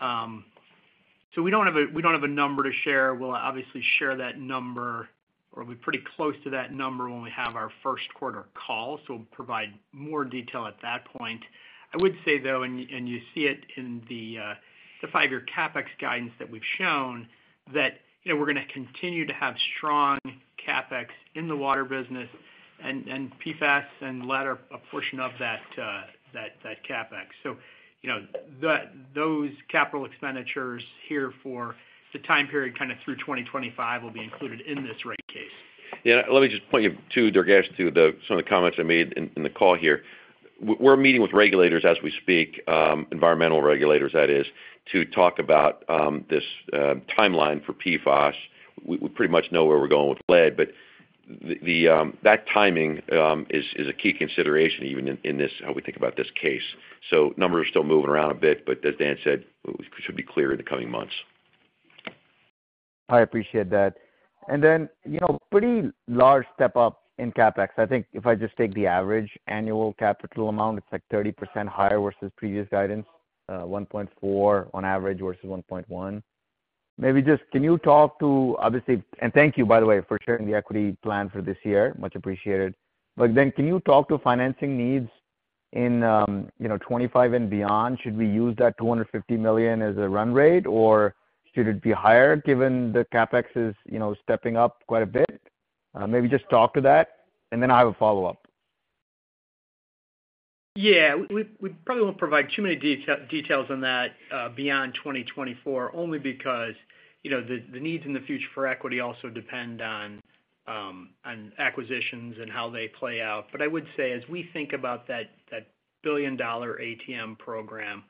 Speaker 4: So we don't have a number to share. We'll obviously share that number or be pretty close to that number when we have our first quarter call. So we'll provide more detail at that point. I would say, though, and you see it in the five-year CapEx guidance that we've shown, that we're going to continue to have strong CapEx in the water business and PFOS and less a portion of that CapEx. So those capital expenditures here for the time period kind of through 2025 will be included in this rate case.
Speaker 3: Yeah. Let me just point you to, Durgesh, some of the comments I made in the call here. We're meeting with regulators as we speak, environmental regulators, that is, to talk about this timeline for PFOS. We pretty much know where we're going with lead, but that timing is a key consideration even in how we think about this case. So numbers are still moving around a bit, but as Dan said, we should be clear in the coming months.
Speaker 6: I appreciate that. And then pretty large step up in CapEx. I think if I just take the average annual capital amount, it's like 30% higher versus previous guidance, 1.4 on average versus 1.1. Maybe just can you talk to, obviously and thank you, by the way, for sharing the equity plan for this year. Much appreciated. But then can you talk to financing needs in 2025 and beyond? Should we use that $250 million as a run rate, or should it be higher given the CapEx is stepping up quite a bit? Maybe just talk to that, and then I'll have a follow-up.
Speaker 4: Yeah. We probably won't provide too many details on that beyond 2024 only because the needs in the future for equity also depend on acquisitions and how they play out. But I would say as we think about that billion-dollar ATM program,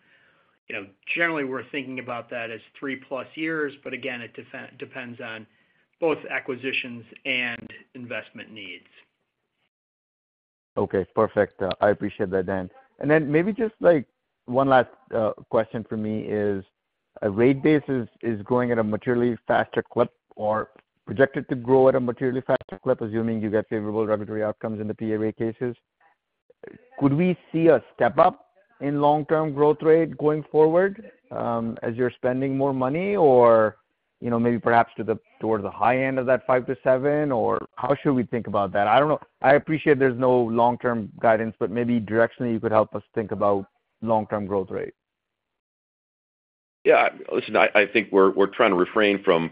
Speaker 4: generally, we're thinking about that as 3+ years. But again, it depends on both acquisitions and investment needs.
Speaker 6: Okay. Perfect. I appreciate that, Dan. And then maybe just one last question for me is, a rate base is growing at a materially faster clip or projected to grow at a materially faster clip, assuming you get favorable regulatory outcomes in the PA rate cases. Could we see a step up in long-term growth rate going forward as you're spending more money or maybe perhaps towards the high end of that 5%-7%, or how should we think about that? I don't know. I appreciate there's no long-term guidance, but maybe directionally you could help us think about long-term growth rate.
Speaker 3: Yeah. Listen, I think we're trying to refrain from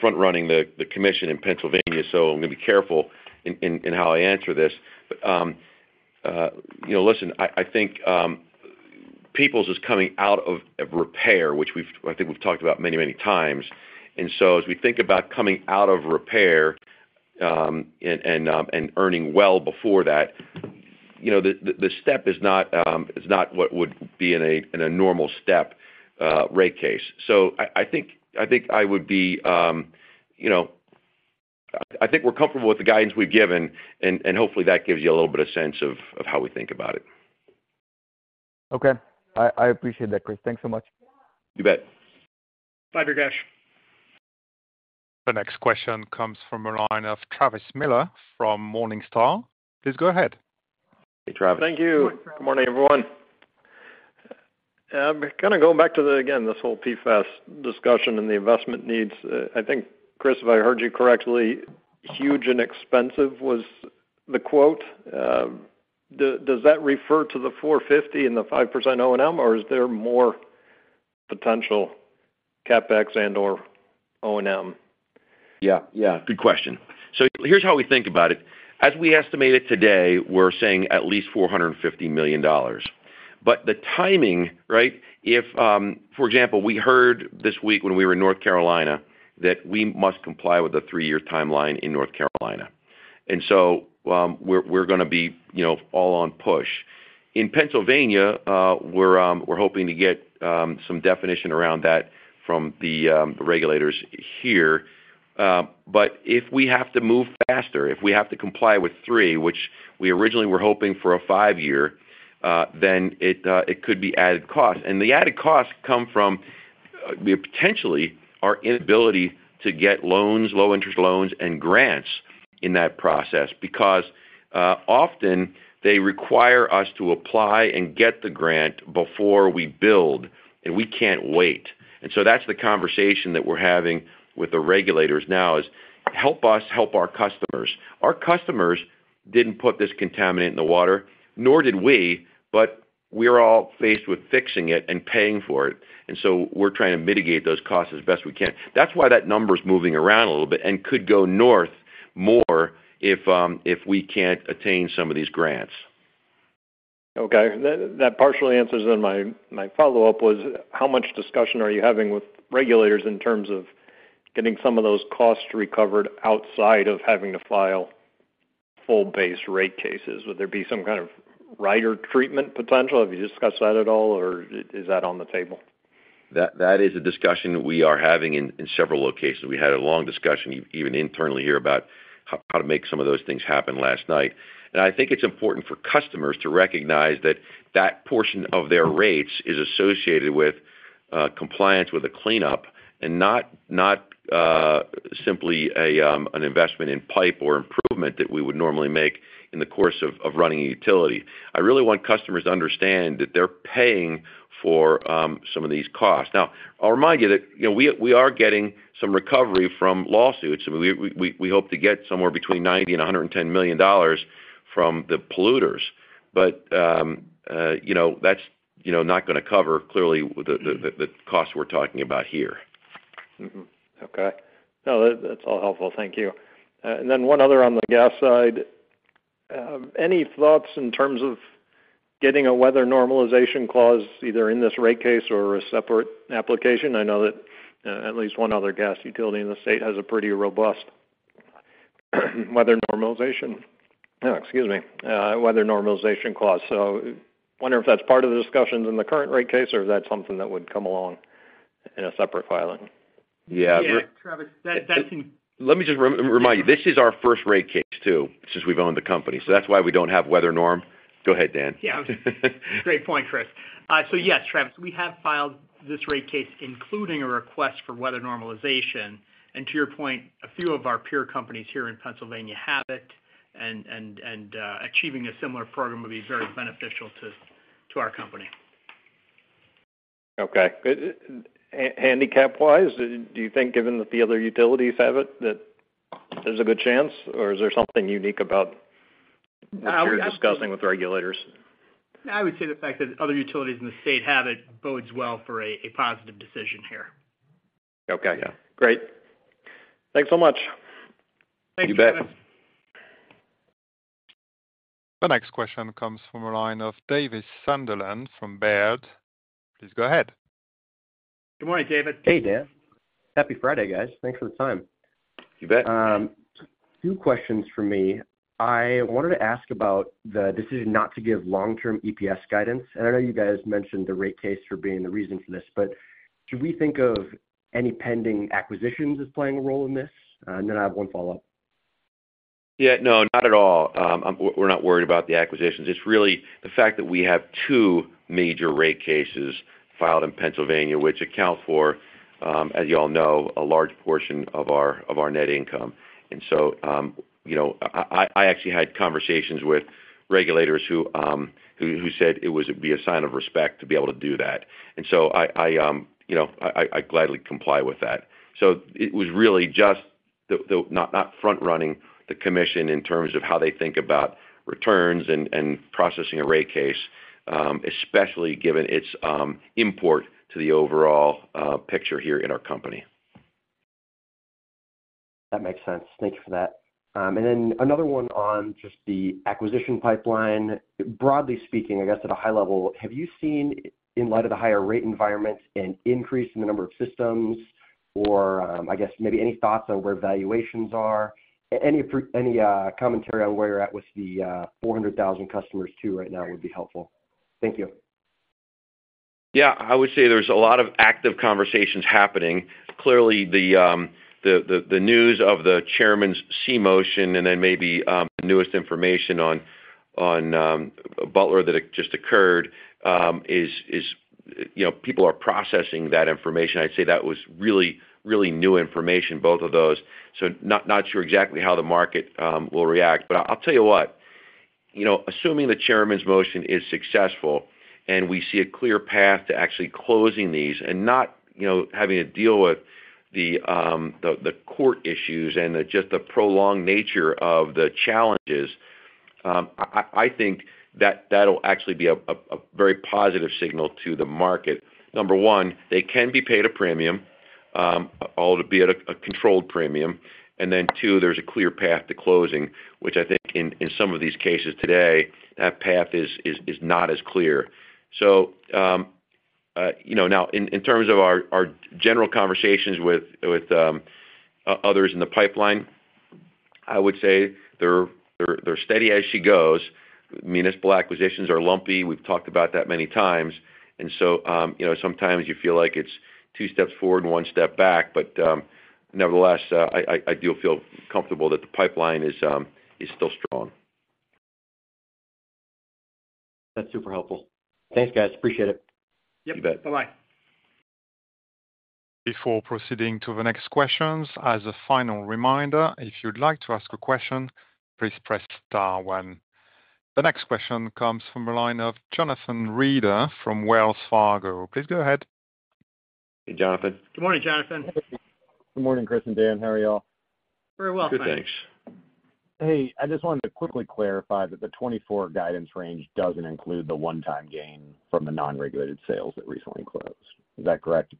Speaker 3: front-running the Commission in Pennsylvania, so I'm going to be careful in how I answer this. But listen, I think Peoples is coming out of repair, which I think we've talked about many, many times. And so as we think about coming out of repair and earning well before that, the step is not what would be in a normal step rate case. So I think I would be I think we're comfortable with the guidance we've given, and hopefully, that gives you a little bit of sense of how we think about it.
Speaker 6: Okay. I appreciate that, Chris. Thanks so much.
Speaker 3: You bet.
Speaker 4: Bye, Durgesh.
Speaker 1: The next question comes from a line of Travis Miller from Morningstar. Please go ahead.
Speaker 7: Hey, Travis. Thank you. Good morning, everyone. Kind of going back to, again, this whole PFOS discussion and the investment needs, I think, Chris, if I heard you correctly, "huge and expensive" was the quote. Does that refer to the 450 and the 5% O&M, or is there more potential CapEx and/or O&M?
Speaker 3: Yeah. Yeah. Good question. So here's how we think about it. As we estimate it today, we're saying at least $450 million. But the timing, right, if for example, we heard this week when we were in North Carolina that we must comply with the 3-year timeline in North Carolina. And so we're going to be all on push. In Pennsylvania, we're hoping to get some definition around that from the regulators here. But if we have to move faster, if we have to comply with 3, which we originally were hoping for a 5-year, then it could be added costs. And the added costs come from potentially our inability to get loans, low-interest loans, and grants in that process because often, they require us to apply and get the grant before we build, and we can't wait. And so that's the conversation that we're having with the regulators now is, "Help us, help our customers." Our customers didn't put this contaminant in the water, nor did we, but we're all faced with fixing it and paying for it. And so we're trying to mitigate those costs as best we can. That's why that number's moving around a little bit and could go north more if we can't attain some of these grants.
Speaker 7: Okay. That partially answers then my follow-up was, how much discussion are you having with regulators in terms of getting some of those costs recovered outside of having to file full base rate cases? Would there be some kind of rider treatment potential? Have you discussed that at all, or is that on the table?
Speaker 3: That is a discussion we are having in several locations. We had a long discussion even internally here about how to make some of those things happen last night. And I think it's important for customers to recognize that that portion of their rates is associated with compliance with a cleanup and not simply an investment in pipe or improvement that we would normally make in the course of running a utility. I really want customers to understand that they're paying for some of these costs. Now, I'll remind you that we are getting some recovery from lawsuits. I mean, we hope to get somewhere between $90 million and $110 million from the polluters, but that's not going to cover, clearly, the costs we're talking about here.
Speaker 7: Okay. No, that's all helpful. Thank you. And then one other on the gas side. Any thoughts in terms of getting a weather normalization clause either in this rate case or a separate application? I know that at least one other gas utility in the state has a pretty robust weather normalization excuse me, weather normalization clause. So wondering if that's part of the discussions in the current rate case or if that's something that would come along in a separate filing.
Speaker 3: Yeah. Yeah, Travis. That seems. Let me just remind you, this is our first rate case too since we've owned the company. So that's why we don't have weather norm. Go ahead, Dan.
Speaker 4: Yeah. Great point, Chris. So yes, Travis, we have filed this rate case including a request for weather normalization. To your point, a few of our peer companies here in Pennsylvania have it, and achieving a similar program would be very beneficial to our company.
Speaker 7: Okay. Handicap-wise, do you think given that the other utilities have it that there's a good chance, or is there something unique about what you're discussing with regulators?
Speaker 4: I would say the fact that other utilities in the state have it bodes well for a positive decision here.
Speaker 7: Okay. Great. Thanks so much.
Speaker 4: Thank you, Travis.
Speaker 3: You bet.
Speaker 1: The next question comes from a line of Davis Sunderland from Baird. Please go ahead.
Speaker 4: Good morning, Davis.
Speaker 8: Hey, Dan. Happy Friday, guys. Thanks for the time.
Speaker 3: You bet.
Speaker 8: Two questions for me. I wanted to ask about the decision not to give long-term EPS guidance. I know you guys mentioned the rate case for being the reason for this, but should we think of any pending acquisitions as playing a role in this? Then I have one follow-up.
Speaker 3: Yeah. No, not at all. We're not worried about the acquisitions. It's really the fact that we have two major rate cases filed in Pennsylvania, which account for, as you all know, a large portion of our net income. And so I actually had conversations with regulators who said it would be a sign of respect to be able to do that. And so I gladly comply with that. So it was really just not front-running the Commission in terms of how they think about returns and processing a rate case, especially given its import to the overall picture here in our company.
Speaker 8: That makes sense. Thank you for that. And then another one on just the acquisition pipeline. Broadly speaking, I guess at a high level, have you seen, in light of the higher rate environment, an increase in the number of systems or, I guess, maybe any thoughts on where valuations are? Any commentary on where you're at with the 400,000 customers too right now would be helpful. Thank you.
Speaker 3: Yeah. I would say there's a lot of active conversations happening. Clearly, the news of the Chairman's C motion and then maybe the newest information on Butler that just occurred is people are processing that information. I'd say that was really, really new information, both of those. So not sure exactly how the market will react. But I'll tell you what. Assuming the Chairman's motion is successful and we see a clear path to actually closing these and not having to deal with the court issues and just the prolonged nature of the challenges, I think that that'll actually be a very positive signal to the market. Number one, they can be paid a premium, albeit a controlled premium. And then two, there's a clear path to closing, which I think in some of these cases today, that path is not as clear. So now, in terms of our general conversations with others in the pipeline, I would say they're steady as she goes. M&A acquisitions are lumpy. We've talked about that many times. And so sometimes, you feel like it's two steps forward and one step back. But nevertheless, I do feel comfortable that the pipeline is still strong.
Speaker 8: That's super helpful. Thanks, guys. Appreciate it.
Speaker 3: You bet. Bye-bye.
Speaker 1: Before proceeding to the next questions, as a final reminder, if you'd like to ask a question, please press star one. The next question comes from a line of Jonathan Reeder from Wells Fargo. Please go ahead.
Speaker 3: Hey, Jonathan.
Speaker 4: Good morning, Jonathan.
Speaker 9: Good morning, Chris and Dan. How are you all?
Speaker 4: Very well, thanks.
Speaker 3: Good, thanks.
Speaker 9: Hey, I just wanted to quickly clarify that the 2024 guidance range doesn't include the one-time gain from the non-regulated sales that recently closed. Is that correct?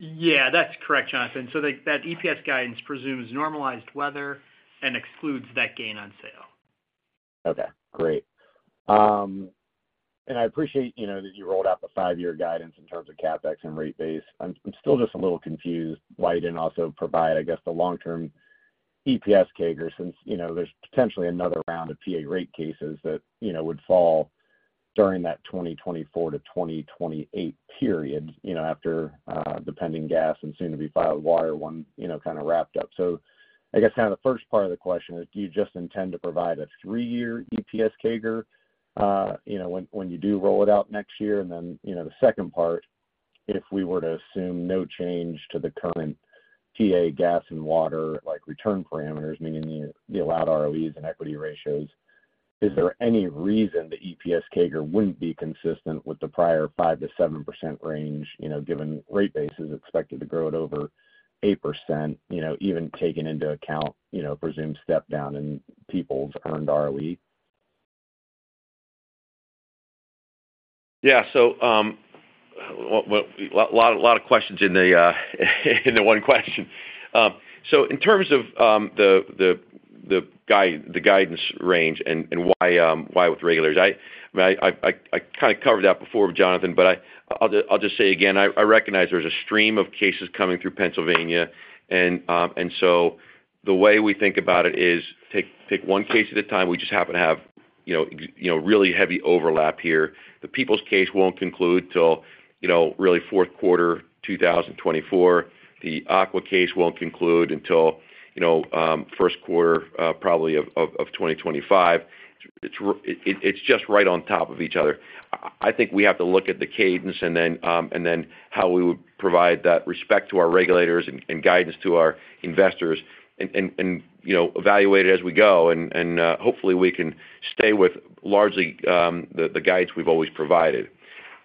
Speaker 4: Yeah. That's correct, Jonathan. So that EPS guidance presumes normalized weather and excludes that gain on sale.
Speaker 9: Okay. Great. And I appreciate that you rolled out the five-year guidance in terms of CapEx and rate base. I'm still just a little confused why you didn't also provide, I guess, the long-term EPS CAGR since there's potentially another round of PA rate cases that would fall during that 2024-2028 period after the pending gas and soon-to-be-filed water one kind of wrapped up. So I guess kind of the first part of the question is, do you just intend to provide a three-year EPS CAGR when you do roll it out next year? And then the second part, if we were to assume no change to the current PA gas and water return parameters, meaning the allowed ROEs and equity ratios, is there any reason the EPS CAGR wouldn't be consistent with the prior 5%-7% range given rate base is expected to grow it over 8%, even taking into account presumed step-down in Peoples' earned ROE?
Speaker 3: Yeah. So a lot of questions in the one question. So in terms of the guidance range and why with regulators, I mean, I kind of covered that before with Jonathan, but I'll just say again, I recognize there's a stream of cases coming through Pennsylvania. And so the way we think about it is, take one case at a time. We just happen to have really heavy overlap here. The Peoples case won't conclude till really fourth quarter 2024. The Aqua case won't conclude until first quarter probably of 2025. It's just right on top of each other. I think we have to look at the cadence and then how we would provide that respect to our regulators and guidance to our investors and evaluate it as we go. And hopefully, we can stay with largely the guidance we've always provided.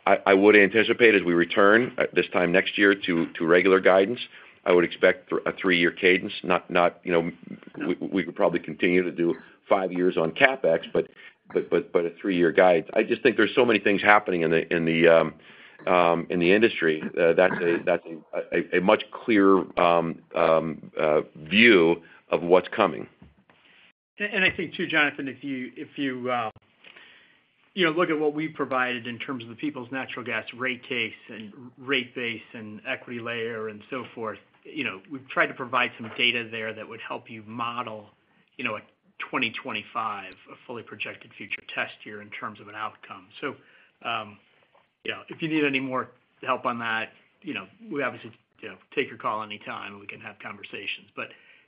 Speaker 3: I would anticipate as we return this time next year to regular guidance, I would expect a three-year cadence. We could probably continue to do five years on CapEx, but a three-year guidance. I just think there's so many things happening in the industry. That's a much clearer view of what's coming. I think too, Jonathan, if you look at what we provided in terms of the Peoples Natural Gas rate case and rate base and equity layer and so forth, we've tried to provide some data there that would help you model a 2025, a fully projected future test year in terms of an outcome. So if you need any more help on that, we obviously take your call anytime, and we can have conversations.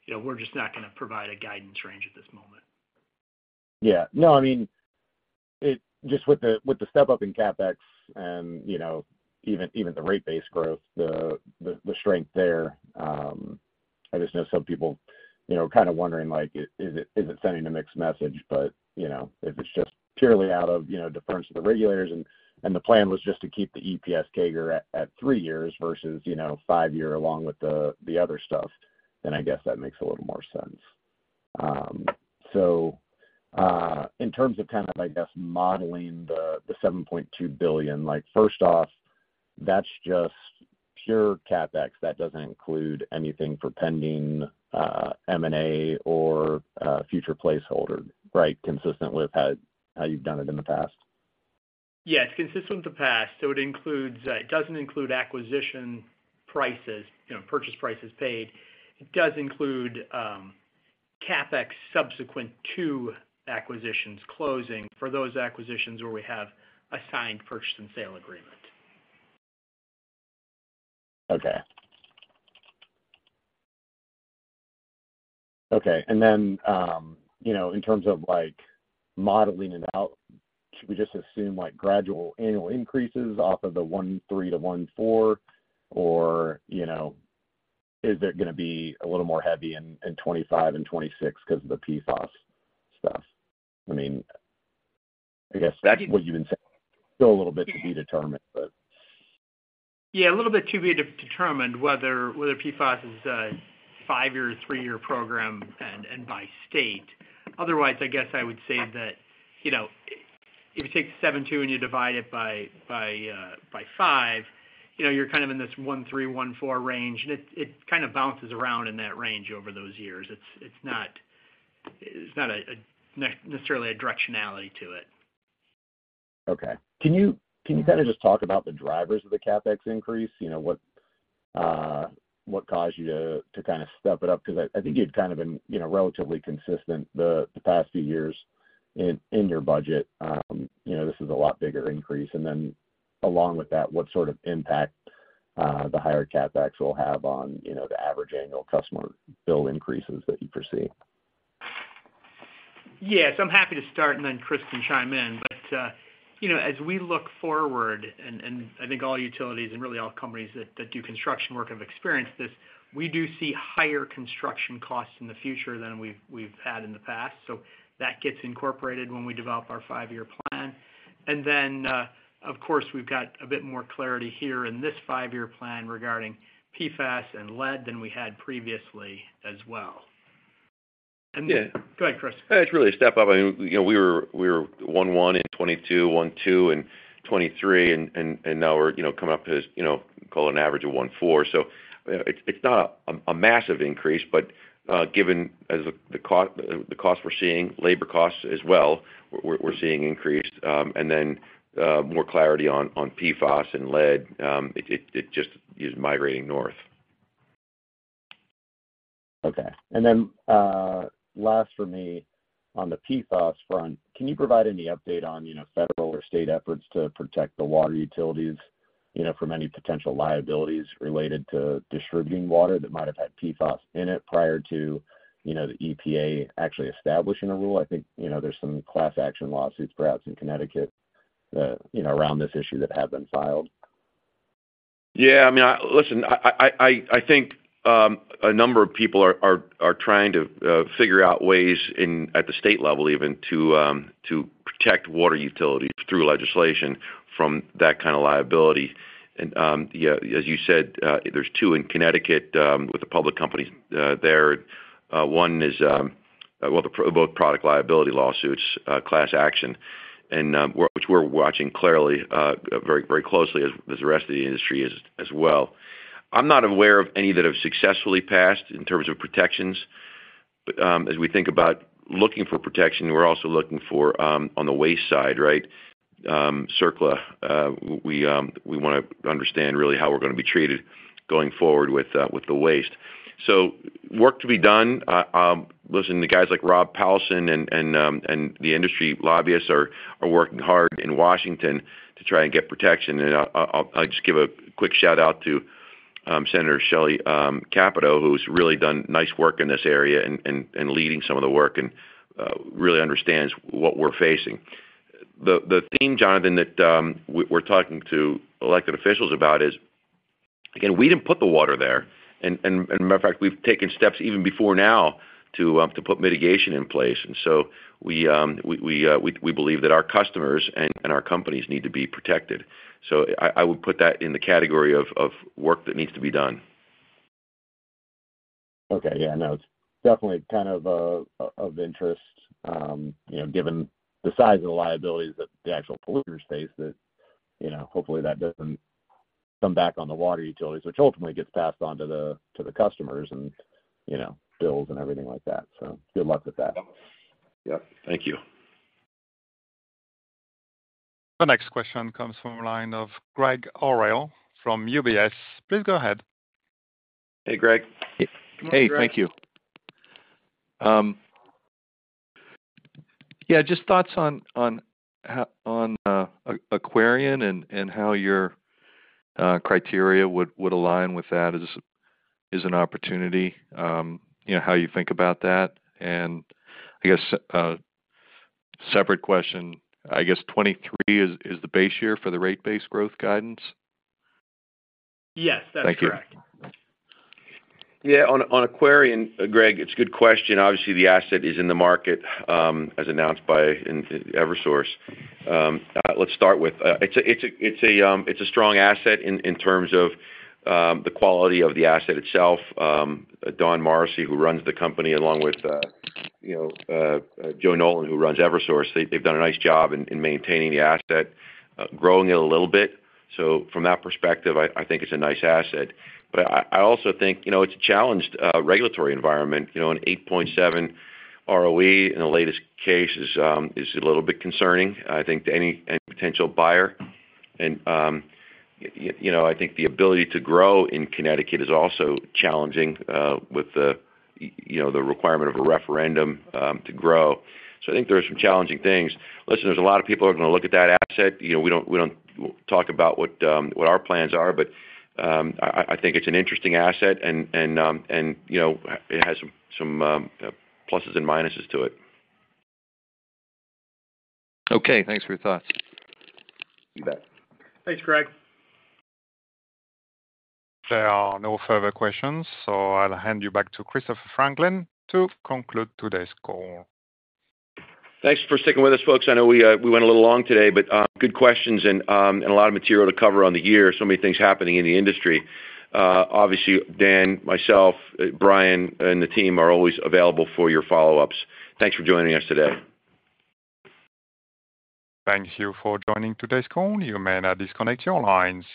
Speaker 3: We're just not going to provide a guidance range at this moment.
Speaker 9: Yeah. No, I mean, just with the step-up in CapEx and even the rate base growth, the strength there, I just know some people kind of wondering, "Is it sending a mixed message?" But if it's just purely out of deference to the regulators and the plan was just to keep the EPS CAGR at three years versus five-year along with the other stuff, then I guess that makes a little more sense. So in terms of kind of, I guess, modeling the $7.2 billion, first off, that's just pure CapEx. That doesn't include anything for pending M&A or future placeholder, right, consistent with how you've done it in the past?
Speaker 4: Yeah. It's consistent with the past. So it doesn't include acquisition prices, purchase prices paid. It does include CapEx subsequent to acquisitions closing for those acquisitions where we have a signed purchase and sale agreement.
Speaker 9: Okay. Okay. And then in terms of modeling it out, should we just assume gradual annual increases off of the 1.3-1.4, or is it going to be a little more heavy in 2025 and 2026 because of the PFOS stuff? I mean, I guess what you've been saying is still a little bit to be determined, but.
Speaker 4: Yeah. A little bit to be determined whether PFOS is a five-year or three-year program and by state. Otherwise, I guess I would say that if you take the 7.2 and you divide it by 5, you're kind of in this 1.3-1.4 range. And it kind of bounces around in that range over those years. It's not necessarily a directionality to it.
Speaker 9: Okay. Can you kind of just talk about the drivers of the CapEx increase? What caused you to kind of step it up? Because I think you'd kind of been relatively consistent the past few years in your budget. This is a lot bigger increase. And then along with that, what sort of impact the higher CapEx will have on the average annual customer bill increases that you foresee?
Speaker 4: Yeah. So I'm happy to start, and then Chris can chime in. But as we look forward, and I think all utilities and really all companies that do construction work have experienced this, we do see higher construction costs in the future than we've had in the past. So that gets incorporated when we develop our five-year plan. And then, of course, we've got a bit more clarity here in this five-year plan regarding PFOS and lead than we had previously as well. And go ahead, Chris.
Speaker 3: It's really a step up. I mean, we were 1.1 in 2022, 1.2 in 2023, and now we're coming up to, call it, an average of 1.4. So it's not a massive increase, but given the costs we're seeing, labor costs as well, we're seeing increased. And then more clarity on PFOS and lead. It just is migrating north.
Speaker 9: Okay. And then last for me on the PFOS front, can you provide any update on federal or state efforts to protect the water utilities from any potential liabilities related to distributing water that might have had PFOS in it prior to the EPA actually establishing a rule? I think there's some class action lawsuits, perhaps in Connecticut, around this issue that have been filed.
Speaker 3: Yeah. I mean, listen, I think a number of people are trying to figure out ways at the state level even to protect water utilities through legislation from that kind of liability. And as you said, there's two in Connecticut with the public companies there. One is, well, both product liability lawsuits, class action, which we're watching clearly, very closely, as the rest of the industry as well. I'm not aware of any that have successfully passed in terms of protections. But as we think about looking for protection, we're also looking for on the waste side, right? CERCLA, we want to understand really how we're going to be treated going forward with the waste. So work to be done. Listen, the guys like Rob Powelson and the industry lobbyists are working hard in Washington to try and get protection. And I'll just give a quick shout-out to Senator Shelley Capito, who's really done nice work in this area and leading some of the work and really understands what we're facing. The theme, Jonathan, that we're talking to elected officials about is, again, we didn't put the water there. And as a matter of fact, we've taken steps even before now to put mitigation in place. And so we believe that our customers and our companies need to be protected. So I would put that in the category of work that needs to be done.
Speaker 9: Okay. Yeah. No, it's definitely kind of of interest given the size of the liabilities that the actual polluters face. Hopefully, that doesn't come back on the water utilities, which ultimately gets passed on to the customers and bills and everything like that. So good luck with that.
Speaker 3: Yep. Thank you.
Speaker 1: The next question comes from a line of Gregg Orrill from UBS. Please go ahead.
Speaker 3: Hey, Gregg.
Speaker 10: Hey. Thank you. Yeah. Just thoughts on Aquarion and how your criteria would align with that as an opportunity, how you think about that. And I guess separate question, I guess 2023 is the base year for the rate base growth guidance?
Speaker 4: Yes. That's correct.
Speaker 10: Thank you.
Speaker 3: Yeah. On Aquarion, Gregg, it's a good question. Obviously, the asset is in the market as announced by Eversource. Let's start with it's a strong asset in terms of the quality of the asset itself. Don Morrissey, who runs the company, along with Joe Nolan, who runs Eversource, they've done a nice job in maintaining the asset, growing it a little bit. So from that perspective, I think it's a nice asset. But I also think it's a challenged regulatory environment. An 8.7 ROE in the latest case is a little bit concerning, I think, to any potential buyer. I think the ability to grow in Connecticut is also challenging with the requirement of a referendum to grow. I think there are some challenging things. Listen, there's a lot of people who are going to look at that asset. We don't talk about what our plans are. I think it's an interesting asset, and it has some pluses and minuses to it.
Speaker 10: Okay. Thanks for your thoughts.
Speaker 3: You bet.
Speaker 4: Thanks, Gregg.
Speaker 1: There are no further questions. I'll hand you back to Christopher Franklin to conclude today's call.
Speaker 3: Thanks for sticking with us, folks. I know we went a little long today, but good questions and a lot of material to cover on the year, so many things happening in the industry. Obviously, Dan, myself, Brian, and the team are always available for your follow-ups. Thanks for joining us today.
Speaker 1: Thank you for joining today's call. You may now disconnect your lines.